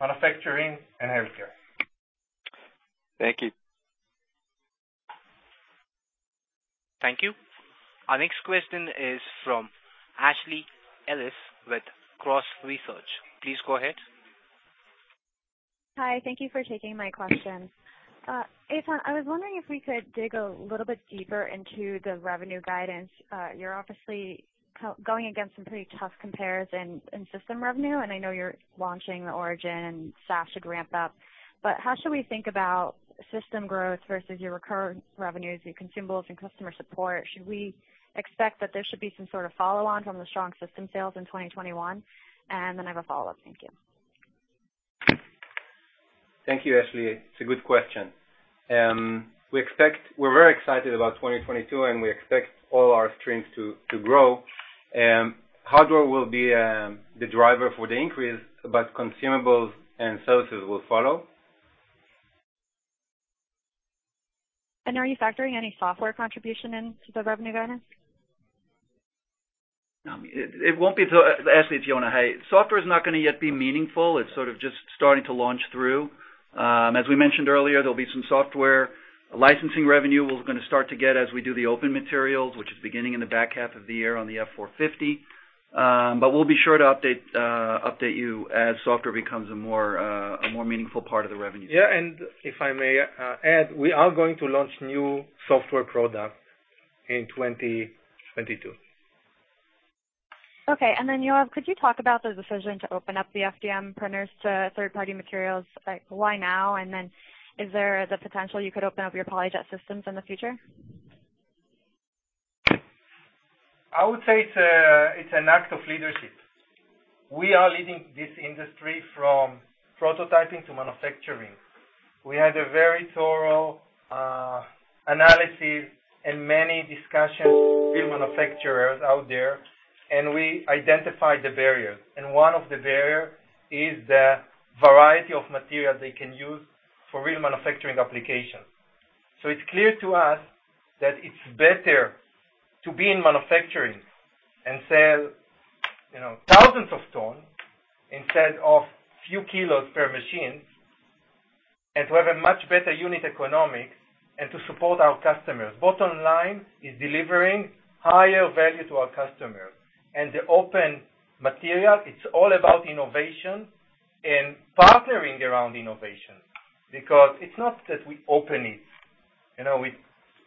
manufacturing and healthcare. Thank you. Thank you. Our next question is from Ashley Ellis with Cross Research. Please go ahead. Hi. Thank you for taking my question. Eitan, I was wondering if we could dig a little bit deeper into the revenue guidance. You're obviously going against some pretty tough comparison in system revenue, and I know you're launching the Origin and SAF should ramp up. How should we think about system growth versus your recurring revenues, your consumables and customer support? Should we expect that there should be some sort of follow-on from the strong system sales in 2021? I have a follow-up. Thank you. Thank you, Ashley. It's a good question. We're very excited about 2022, and we expect all our streams to grow. Hardware will be the driver for the increase, but consumables and services will follow. Are you factoring any software contribution into the revenue guidance? Ashley, it's Yonah. Hey. Software is not gonna yet be meaningful. It's sort of just starting to launch through. As we mentioned earlier, there'll be some software licensing revenue we're gonna start to get as we do the open materials, which is beginning in the back half of the year on the F 450. But we'll be sure to update you as software becomes a more meaningful part of the revenue. Yeah. If I may, add, we are going to launch new software products in 2022. Okay. Yoav, could you talk about the decision to open up the FDM printers to third-party materials, like why now? Is there the potential you could open up your PolyJet systems in the future? I would say it's an act of leadership. We are leading this industry from prototyping to manufacturing. We had a very thorough analysis and many discussions with manufacturers out there, and we identified the barriers. One of the barrier is the variety of materials they can use for real manufacturing applications. It's clear to us that it's better to be in manufacturing and sell thousands of ton instead of few kilos per machine, and to have a much better unit economics and to support our customers. Bottom line is delivering higher value to our customers. The open material, it's all about innovation and partnering around innovation because it's not that we open it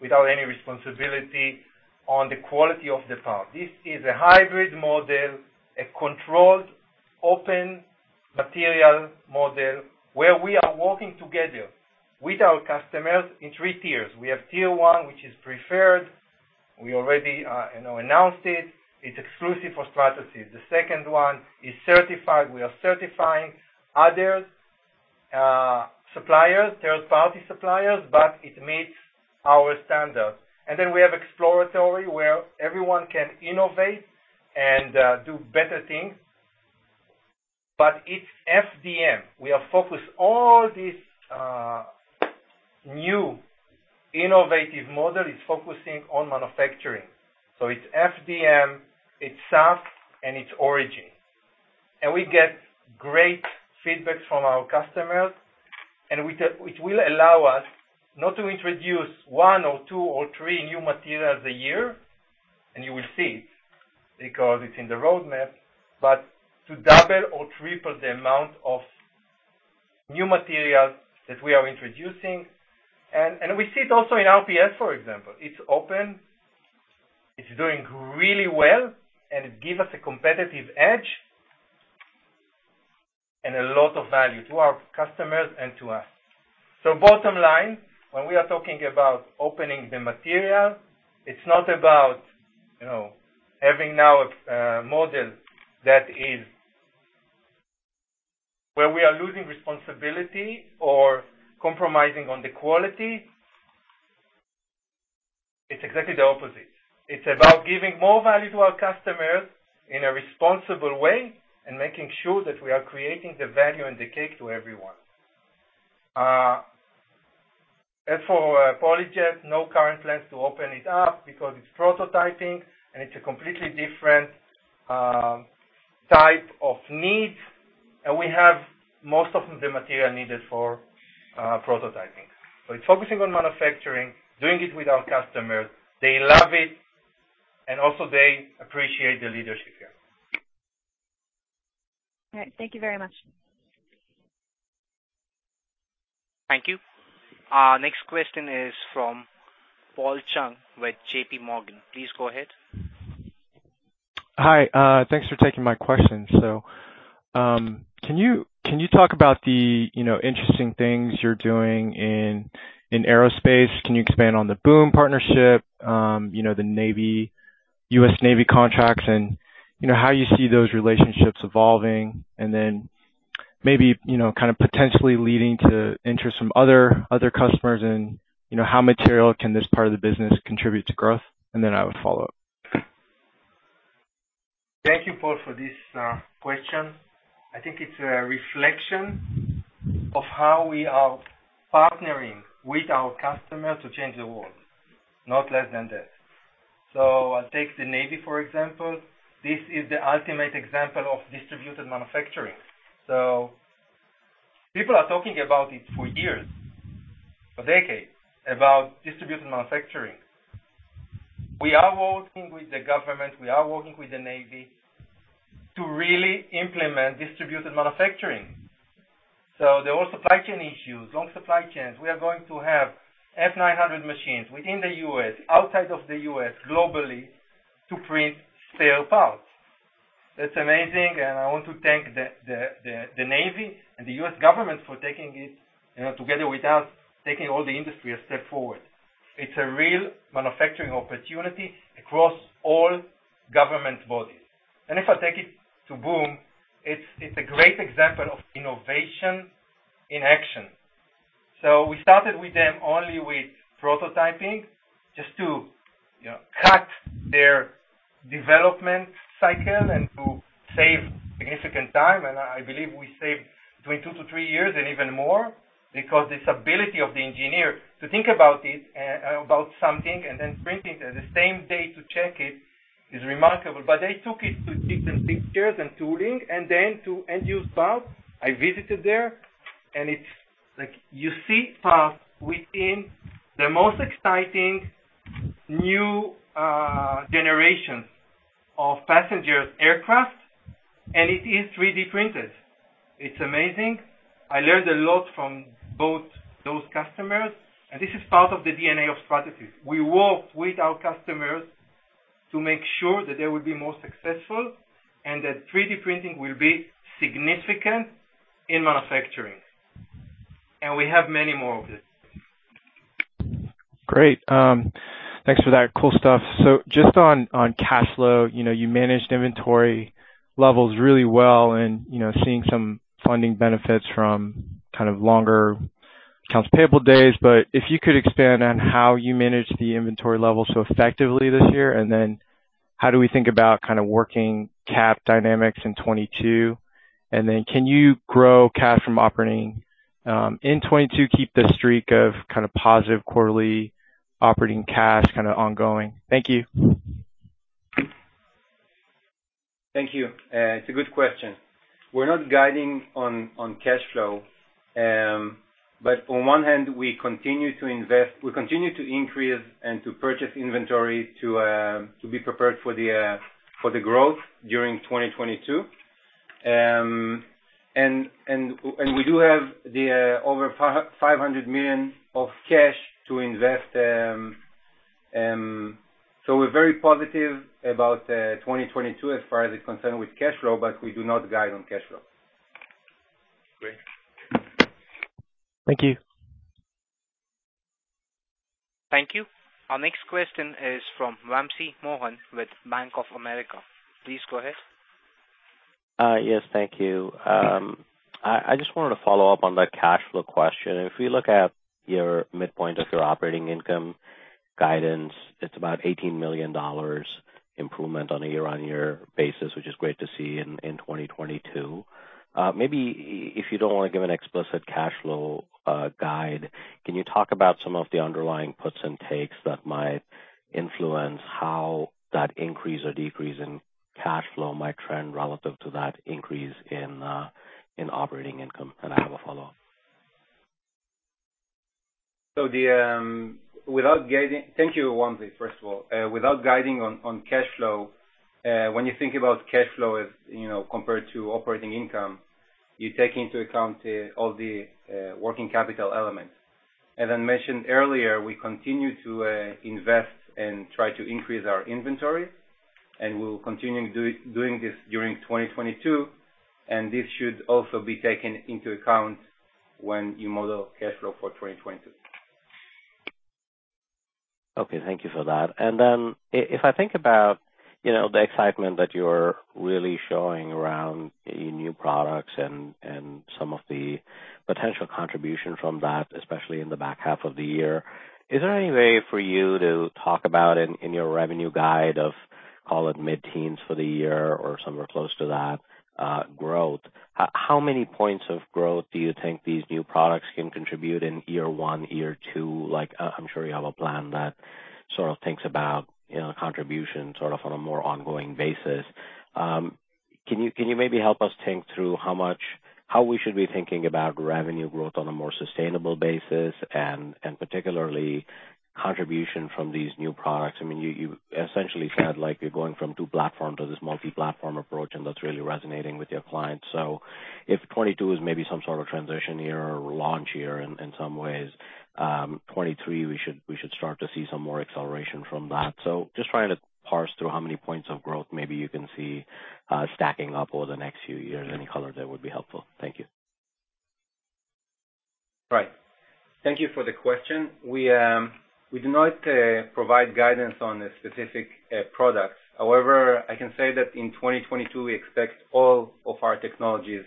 without any responsibility on the quality of the part. This is a hybrid model, a controlled open material model where we are working together with our customers in three tiers. We have tier one, which is preferred. We already announced it. It's exclusive for Stratasys. The second one is certified. We are certifying other suppliers, third-party suppliers, but it meets our standards. We have exploratory, where everyone can innovate and do better things. It's FDM. We are focused. All this new innovative model is focusing on manufacturing. It's FDM, it's SAF, and it's Origin. We get great feedback from our customers, which will allow us not to introduce one or two or three new materials a year, and you will see it because it's in the roadmap, to double or triple the amount of new materials that we are introducing. We see it also in RPS, for example. It's open, it's doing really well, and it give us a competitive edge and a lot of value to our customers and to us. Bottom line, when we are talking about opening the material, it's not about having now a model that is where we are losing responsibility or compromising on the quality. It's exactly the opposite. It's about giving more value to our customers in a responsible way and making sure that we are creating the value and the cake to everyone. As for PolyJet, no current plans to open it up because it's prototyping, and it's a completely different type of need, and we have most of the material needed for prototyping. It's focusing on manufacturing, doing it with our customers. They love it, and also they appreciate the leadership here. All right. Thank you very much. Thank you. Our next question is from Paul Chung with JP Morgan. Please go ahead. Hi. Thanks for taking my question. Can you talk about the interesting things you're doing in aerospace? Can you expand on the Boom partnership the U.S. Navy contracts and how you see those relationships evolving? Maybe kind of potentially leading to interest from other customers and how material can this part of the business contribute to growth? I have a follow-up. Thank you, Paul, for this question. I think it's a reflection of how we are partnering with our customers to change the world, not less than that. I'll take the Navy, for example. This is the ultimate example of distributed manufacturing. People are talking about it for years, for decades, about distributed manufacturing. We are working with the government, we are working with the Navy to really implement distributed manufacturing. There are supply chain issues, long supply chains. We are going to have F900 machines within the U.S., outside of the U.S., globally to print spare parts. That's amazing, and I want to thank the Navy and the U.S. government for taking it, you know, together with us, taking all the industry a step forward. It's a real manufacturing opportunity across all government bodies. If I take it to Boom, it's a great example of innovation in action. We started with them only with prototyping, just to, you know, cut their development cycle and to save significant time. I believe we saved between 2 to 3 years and even more because this ability of the engineer to think about it, about something and then printing the same day to check it is remarkable. They took it to fixtures and features and tooling and then to end use parts. I visited there, and it's like you see parts within the most exciting new generation of passenger aircraft, and it is 3D printed. It's amazing. I learned a lot from both those customers, and this is part of the DNA of Stratasys. We work with our customers to make sure that they will be more successful and that 3D printing will be significant in manufacturing. We have many more of this. Great. Thanks for that cool stuff. Just on cash flow you managed inventory levels really well and seeing some funding benefits from kind of longer accounts payable days. If you could expand on how you managed the inventory levels so effectively this year, and then how do we think about kind of working cap dynamics in 2022? Then can you grow cash from operating in 2022, keep the streak of kind of positive quarterly operating cash kind of ongoing? Thank you. Thank you. It's a good question. We're not guiding on cash flow. On one hand, we continue to increase and to purchase inventory to be prepared for the growth during 2022. We do have over $500 million of cash to invest. We're very positive about 2022 as far as it's concerned with cash flow, but we do not guide on cash flow. Great. Thank you. Thank you. Our next question is from Wamsi Mohan with Bank of America. Please go ahead. Yes, thank you. I just wanted to follow up on the cash flow question. If you look at your midpoint of your operating income guidance, it's about $18 million improvement on a year-over-year basis, which is great to see in 2022. Maybe if you don't wanna give an explicit cash flow guide, can you talk about some of the underlying puts and takes that might influence how that increase or decrease in cash flow might trend relative to that increase in operating income? I have a follow-up. Thank you, Wamsi, first of all. Without guiding on cash flow, when you think about cash flow as compared to operating income, you take into account all the working capital elements. As I mentioned earlier, we continue to invest and try to increase our inventory, and we'll continue doing this during 2022, and this should also be taken into account when you model cash flow for 2022. Okay. Thank you for that. Then if I think about the excitement that you're really showing around your new products and some of the potential contribution from that, especially in the back half of the year, is there any way for you to talk about in your revenue guide of, call it mid-teens for the year or somewhere close to that, growth? How many points of growth do you think these new products can contribute in year one, year two? Like, I'm sure you have a plan that sort of thinks about contribution sort of on a more ongoing basis. Can you maybe help us think through how we should be thinking about revenue growth on a more sustainable basis and particularly contribution from these new products? You essentially said, like, you're going from two platforms to this multi-platform approach, and that's really resonating with your clients. If 2022 is maybe some sort of transition year or launch year in some ways, we should start to see some more acceleration from that. Just trying to parse through how many points of growth maybe you can see stacking up over the next few years. Any color there would be helpful. Thank you. Right. Thank you for the question. We do not provide guidance on a specific products. However, I can say that in 2022 we expect all of our technologies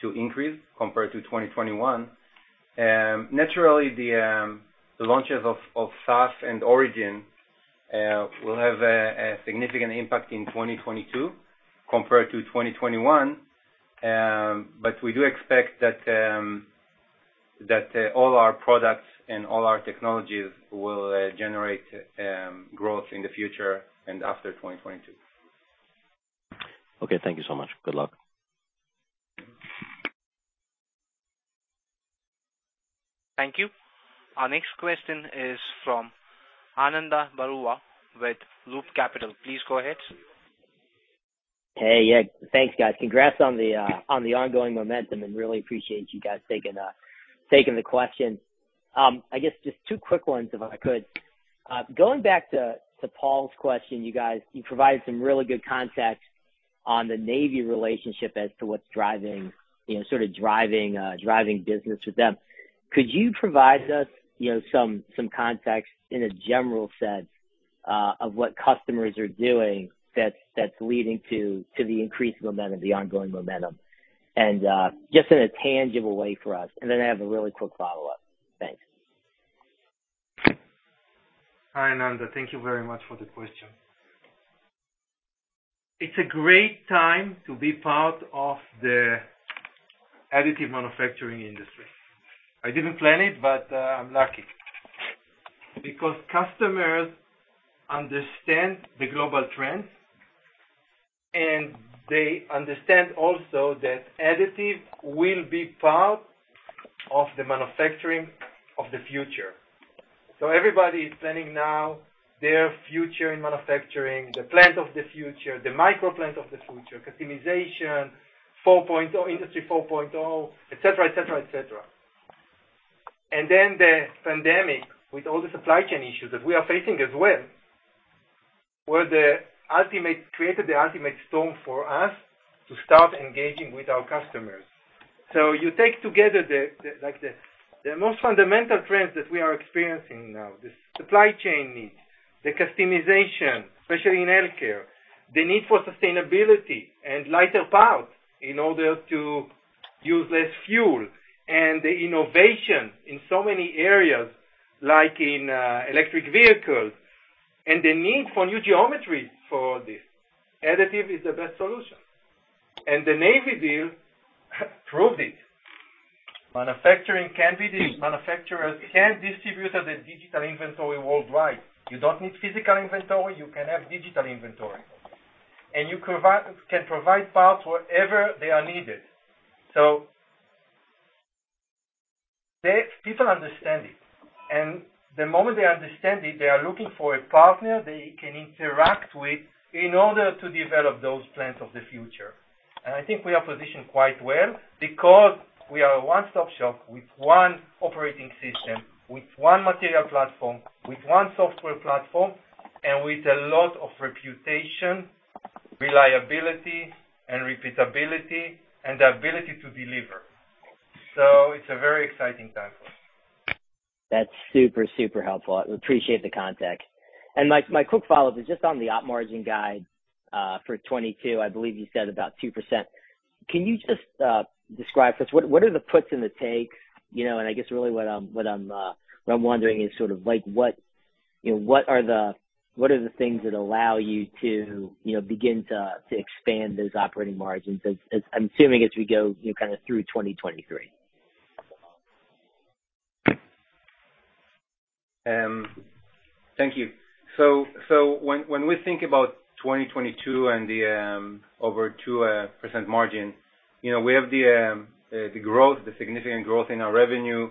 to increase compared to 2021. Naturally the launches of SAF and Origin will have a significant impact in 2022 compared to 2021, but we do expect that all our products and all our technologies will generate growth in the future and after 2022. Okay, thank you so much. Good luck. Thank you. Our next question is from Ananda Baruah with Loop Capital. Please go ahead. Hey. Yeah, thanks guys. Congrats on the ongoing momentum, and really appreciate you guys taking the question. Just two quick ones if I could. Going back to Paul's question, you guys provided some really good context on the Navy relationship as to what's driving sort of driving business with them. Could you provide us some context in a general sense of what customers are doing that's leading to the increased momentum, the ongoing momentum, and just in a tangible way for us? I have a really quick follow-up. Thanks. Hi, Ananda. Thank you very much for the question. It's a great time to be part of the additive manufacturing industry. I didn't plan it, but I'm lucky. Because customers understand the global trends, and they understand also that additive will be part of the manufacturing of the future. Everybody is planning now their future in manufacturing, the plant of the future, the microplant of the future, customization, Industry 4.0, et cetera, et cetera, et cetera. The pandemic with all the supply chain issues that we are facing as well created the ultimate storm for us to start engaging with our customers. You take together the most fundamental trends that we are experiencing now. The supply chain needs, the customization, especially in healthcare, the need for sustainability and lighter parts in order to use less fuel, and the innovation in so many areas, like in electric vehicles, and the need for new geometry for this. Additive is the best solution. The U.S. Navy deal proved it. Manufacturers can distribute the digital inventory worldwide. You don't need physical inventory, you can have digital inventory. You can provide parts wherever they are needed. People understand it. The moment they understand it, they are looking for a partner they can interact with in order to develop those plans of the future. We are positioned quite well because we are a one-stop shop with one operating system, with one material platform, with one software platform, and with a lot of reputation, reliability and repeatability, and the ability to deliver. It's a very exciting time for us. That's super helpful. I appreciate the context. My quick follow-up is just on the operating margin guide for 2022. I believe you said about 2%. Can you just describe for us what are the puts and the takes, you know? What I'm wondering is, what are the things that allow you to begin to expand those operating margins as I'm assuming as we go kind of through 2023? Thank you. When we think about 2022 and the over 2% margin we have the significant growth in our revenue.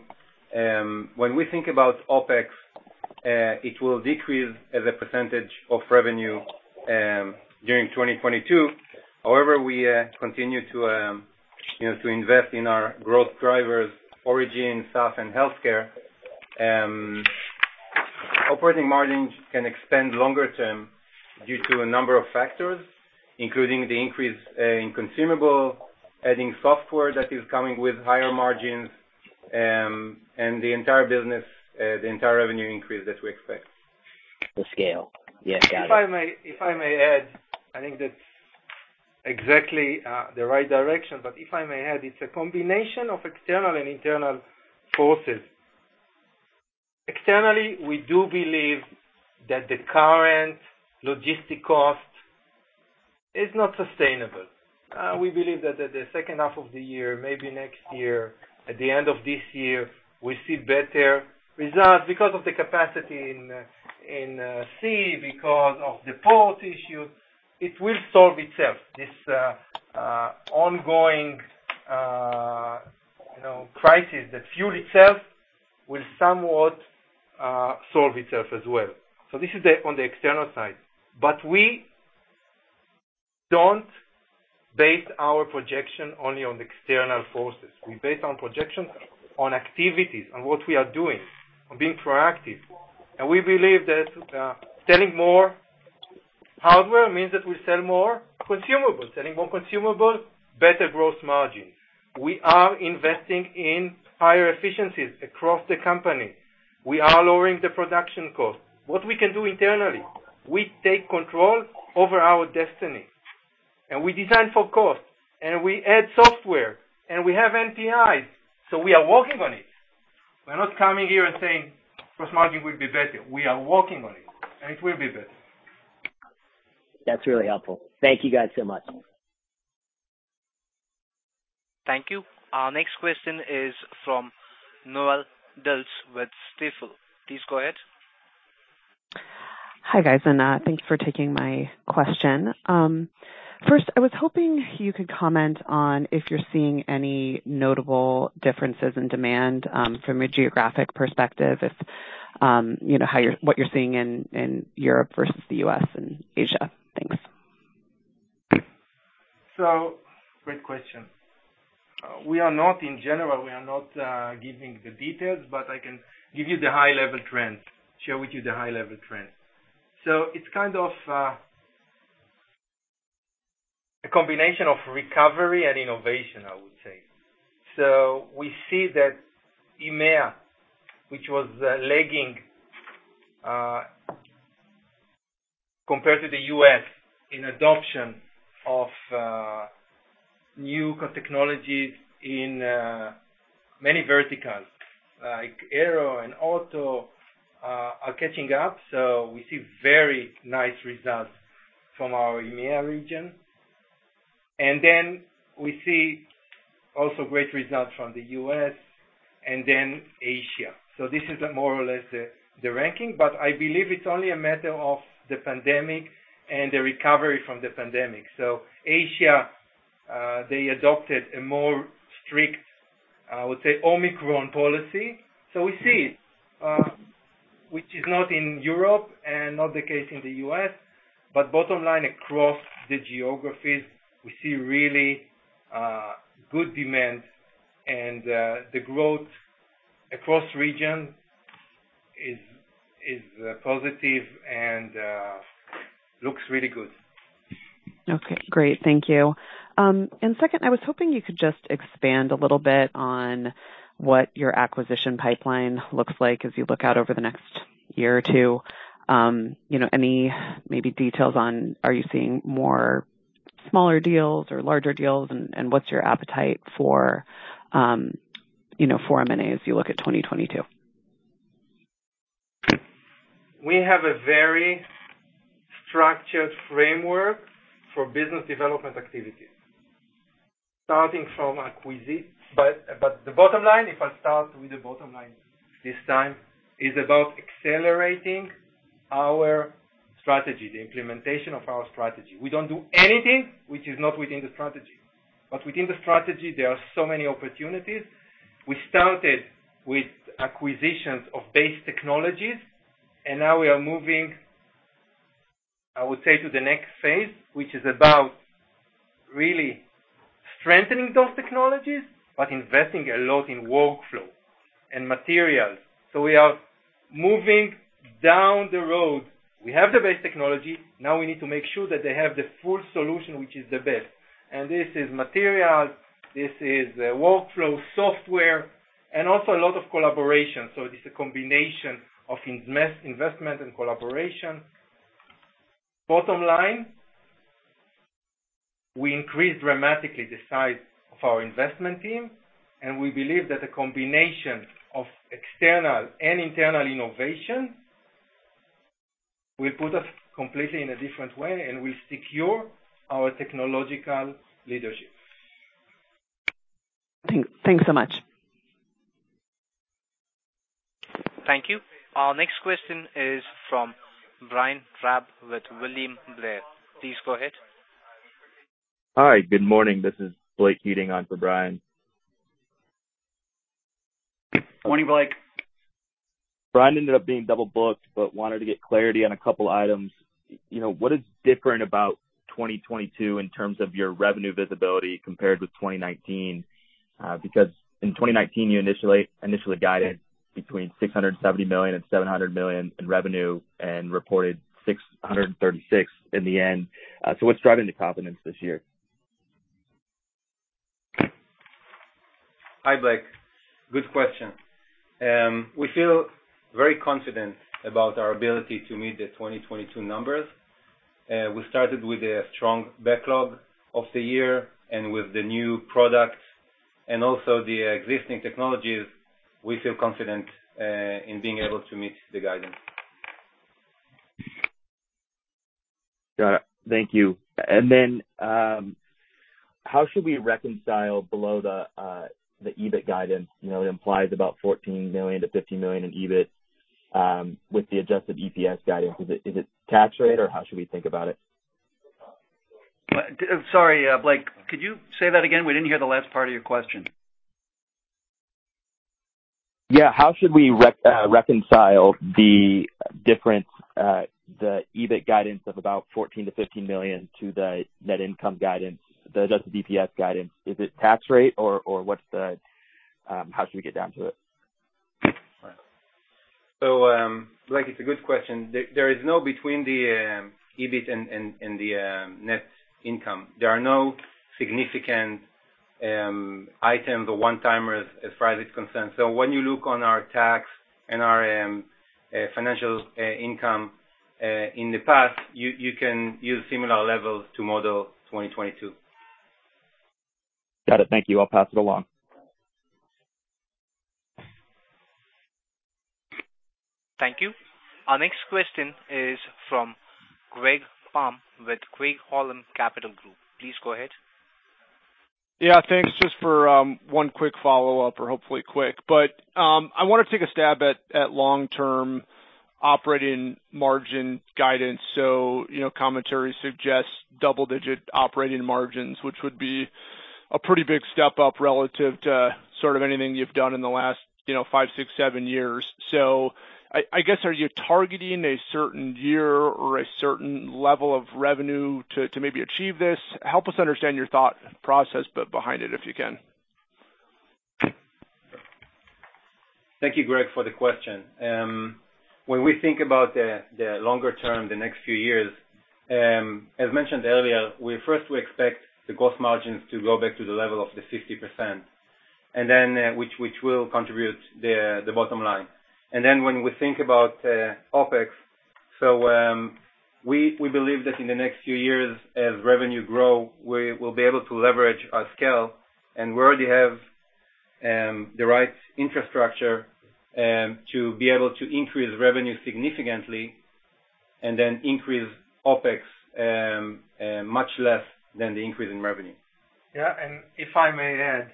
When we think about OpEx, it will decrease as a percentage of revenue during 2022. However, we continue to invest in our growth drivers, Origin, SAF and healthcare. Operating margins can expand longer term due to a number of factors, including the increase in consumables, adding software that is coming with higher margins, and the entire revenue increase that we expect. The scale. Yeah. Got it. If I may add, that's exactly the right direction, but it's a combination of external and internal forces. Externally, we do believe that the current logistics cost is not sustainable. We believe that at the second half of the year, maybe next year, at the end of this year, we see better results because of the capacity in sea, because of the port issue. It will solve itself. This ongoing fuel crisis itself will somewhat solve itself as well, so this is on the external side, but we don't base our projection only on external forces. We base our projections on activities, on what we are doing, on being proactive. We believe that selling more hardware means that we sell more consumables. Selling more consumables, better gross margins. We are investing in higher efficiencies across the company. We are lowering the production costs. What we can do internally, we take control over our destiny, and we design for cost, and we add software, and we have NPI, so we are working on it. We're not coming here and saying gross margin will be better. We are working on it, and it will be better. That's really helpful. Thank you guys so much. Thank you. Our next question is from Noelle Dilts with Stifel. Please go ahead. Hi, guys, and thank you for taking my question. First, I was hoping you could comment on if you're seeing any notable differences in demand from a geographic perspective, if you know what you're seeing in Europe versus the U.S. and Asia. Thanks. Great question. We are not in general giving the details, but I can give you the high level trend. It's kind of a combination of recovery and innovation, I would say. We see that EMEA, which was lagging compared to the U.S. in adoption of new technologies in many verticals like aero and auto, are catching up. We see very nice results from our EMEA region. We see also great results from the U.S. and then Asia. This is more or less the ranking, but I believe it's only a matter of the pandemic and the recovery from the pandemic. Asia, they adopted a more strict, I would say, Omicron policy. We see, which is not in Europe and not the case in the US, but bottom line, across the geographies, we see really good demand and the growth across regions is positive and looks really good. Okay, great. Thank you. Second, I was hoping you could just expand a little bit on what your acquisition pipeline looks like, as you look out over the next year or two, any details on are you seeing more smaller deals or larger deals and what's your appetite for M&As as you look at 2022? We have a very structured framework for business development activities, starting from acquisition. The bottom line, if I start with the bottom line this time, is about accelerating our strategy, the implementation of our strategy. We don't do anything which is not within the strategy, but within the strategy, there are so many opportunities. We started with acquisitions of base technologies, and now we are moving, I would say, to the next phase, which is about really strengthening those technologies, but investing a lot in workflow and materials. We are moving down the road. We have the base technology. Now we need to make sure that they have the full solution, which is the best. This is materials, this is workflow software, and also a lot of collaboration. It is a combination of investment and collaboration. Bottom line, we increased dramatically the size of our investment team, and we believe that the combination of external and internal innovation will put us completely in a different way and will secure our technological leadership. Thanks so much. Thank you. Our next question is from Brian Drab with William Blair. Please go ahead. Hi. Good morning. This is Blake Keating on for Brian. Morning, Blake. Brian ended up being double-booked, but wanted to get clarity on a couple items, what is different about 2022 in terms of your revenue visibility compared with 2019? Because in 2019 you initially guided between $670 million and $700 million in revenue and reported $636 million in the end. What's driving the confidence this year? Hi, Blake. Good question. We feel very confident about our ability to meet the 2022 numbers. We started with a strong backlog of the year and with the new products and also the existing technologies, we feel confident in being able to meet the guidance. Got it. Thank you. Then, how should we reconcile the below-the-line EBIT guidance? You know, it implies about $14 million-$15 million in EBIT with the adjusted EPS guidance. Is it tax rate, or how should we think about it? Sorry, Blake, could you say that again? We didn't hear the last part of your question. Yeah. How should we reconcile the difference, the EBIT guidance of about $14 million-$15 million to the net income guidance, the adjusted EPS guidance? Is it tax rate or what's the, how should we get down to it? Right. Like it's a good question. There is nothing between the EBIT and the net income. There are no significant items or one-timers as far as it's concerned. When you look at our tax rate and our financial income in the past, you can use similar levels to model 2022. Got it. Thank you. I'll pass it along. Thank you. Our next question is from Greg Palm with Craig-Hallum Capital Group. Please go ahead. Yeah. Thanks. Just for one quick follow-up, or hopefully quick, but I want to take a stab at long-term operating margin guidance. Commentary suggests double digit operating margins, which would be a pretty big step up relative to sort of anything you've done in the last five, six, seven years. Are you targeting a certain year or a certain level of revenue to maybe achieve this? Help us understand your thought process behind it if you can. Thank you, Greg, for the question. When we think about the longer term, the next few years, as mentioned earlier, we expect the gross margins to go back to the level of 50%, and then which will contribute the bottom line. Then when we think about OpEx, we believe that in the next few years as revenue grow, we will be able to leverage our scale, and we already have the right infrastructure to be able to increase revenue significantly and then increase OpEx much less than the increase in revenue. Yeah. If I may add,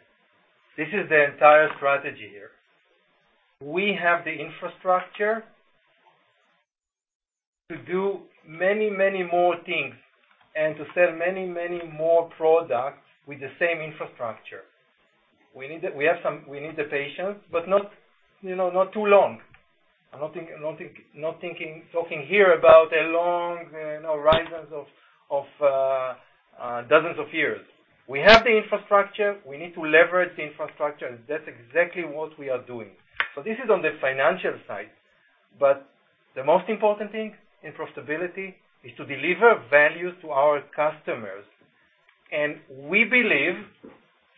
this is the entire strategy here. We have the infrastructure to do many, many more things and to sell many, many more products with the same infrastructure. We need the patience, but not too long. I'm not thinking, talking here about a long horizons of dozens of years. We have the infrastructure. We need to leverage the infrastructure, and that's exactly what we are doing. This is on the financial side, but the most important thing in profitability is to deliver value to our customers. We believe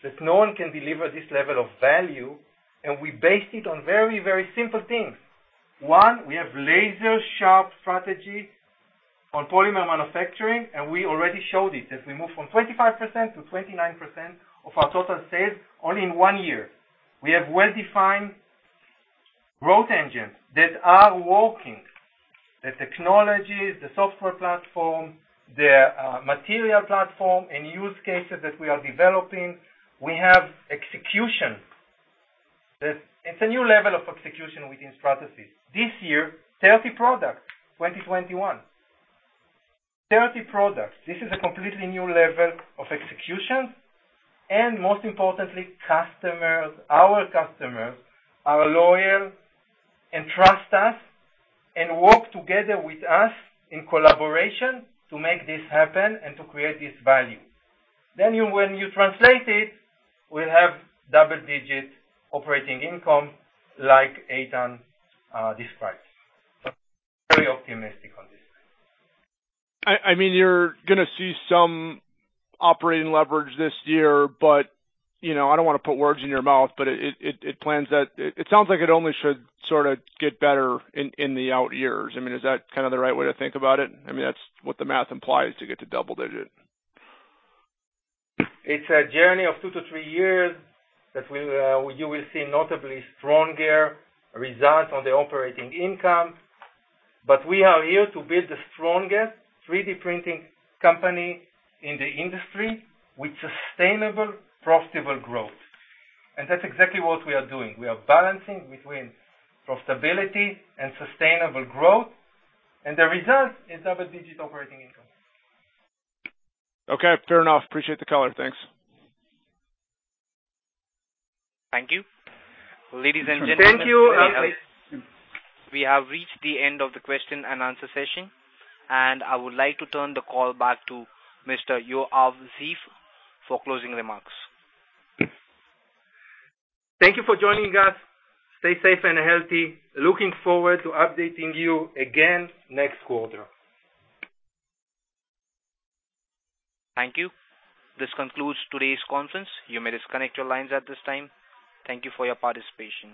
that no one can deliver this level of value, and we base it on very, very simple things. One, we have laser-sharp strategy on polymer manufacturing, and we already showed it as we move from 25% to 29% of our total sales only in one year. We have well-defined growth engines that are working. The technology, the software platform, the material platform and use cases that we are developing. We have execution that it's a new level of execution within Stratasys. This year, 30 products, 2021. 30 products. This is a completely new level of execution, and most importantly, customers, our customers are loyal and trust us and work together with us in collaboration to make this happen and to create this value. When you translate it, we have double-digit operating income like Eitan described. Very optimistic on this. You're gonna see some operating leverage this year, but I don't wanna put words in your mouth, but it sounds like it only should sort of get better in the out years. Is that kind of the right way to think about it? That's what the math implies to get to double digit. It's a journey of 2-3 years that you will see notably stronger results on the operating income. We are here to build the strongest 3D printing company in the industry with sustainable, profitable growth. That's exactly what we are doing. We are balancing between profitability and sustainable growth, and the result is double-digit operating income. Okay, fair enough. Appreciate the color. Thanks. Thank you. Ladies and gentlemen. Thank you. We have reached the end of the question and answer session, and I would like to turn the call back to Mr. Yoav Zeif for closing remarks. Thank you for joining us. Stay safe and healthy. Looking forward to updating you again next quarter. Thank you. This concludes today's conference. You may disconnect your lines at this time. Thank you for your participation.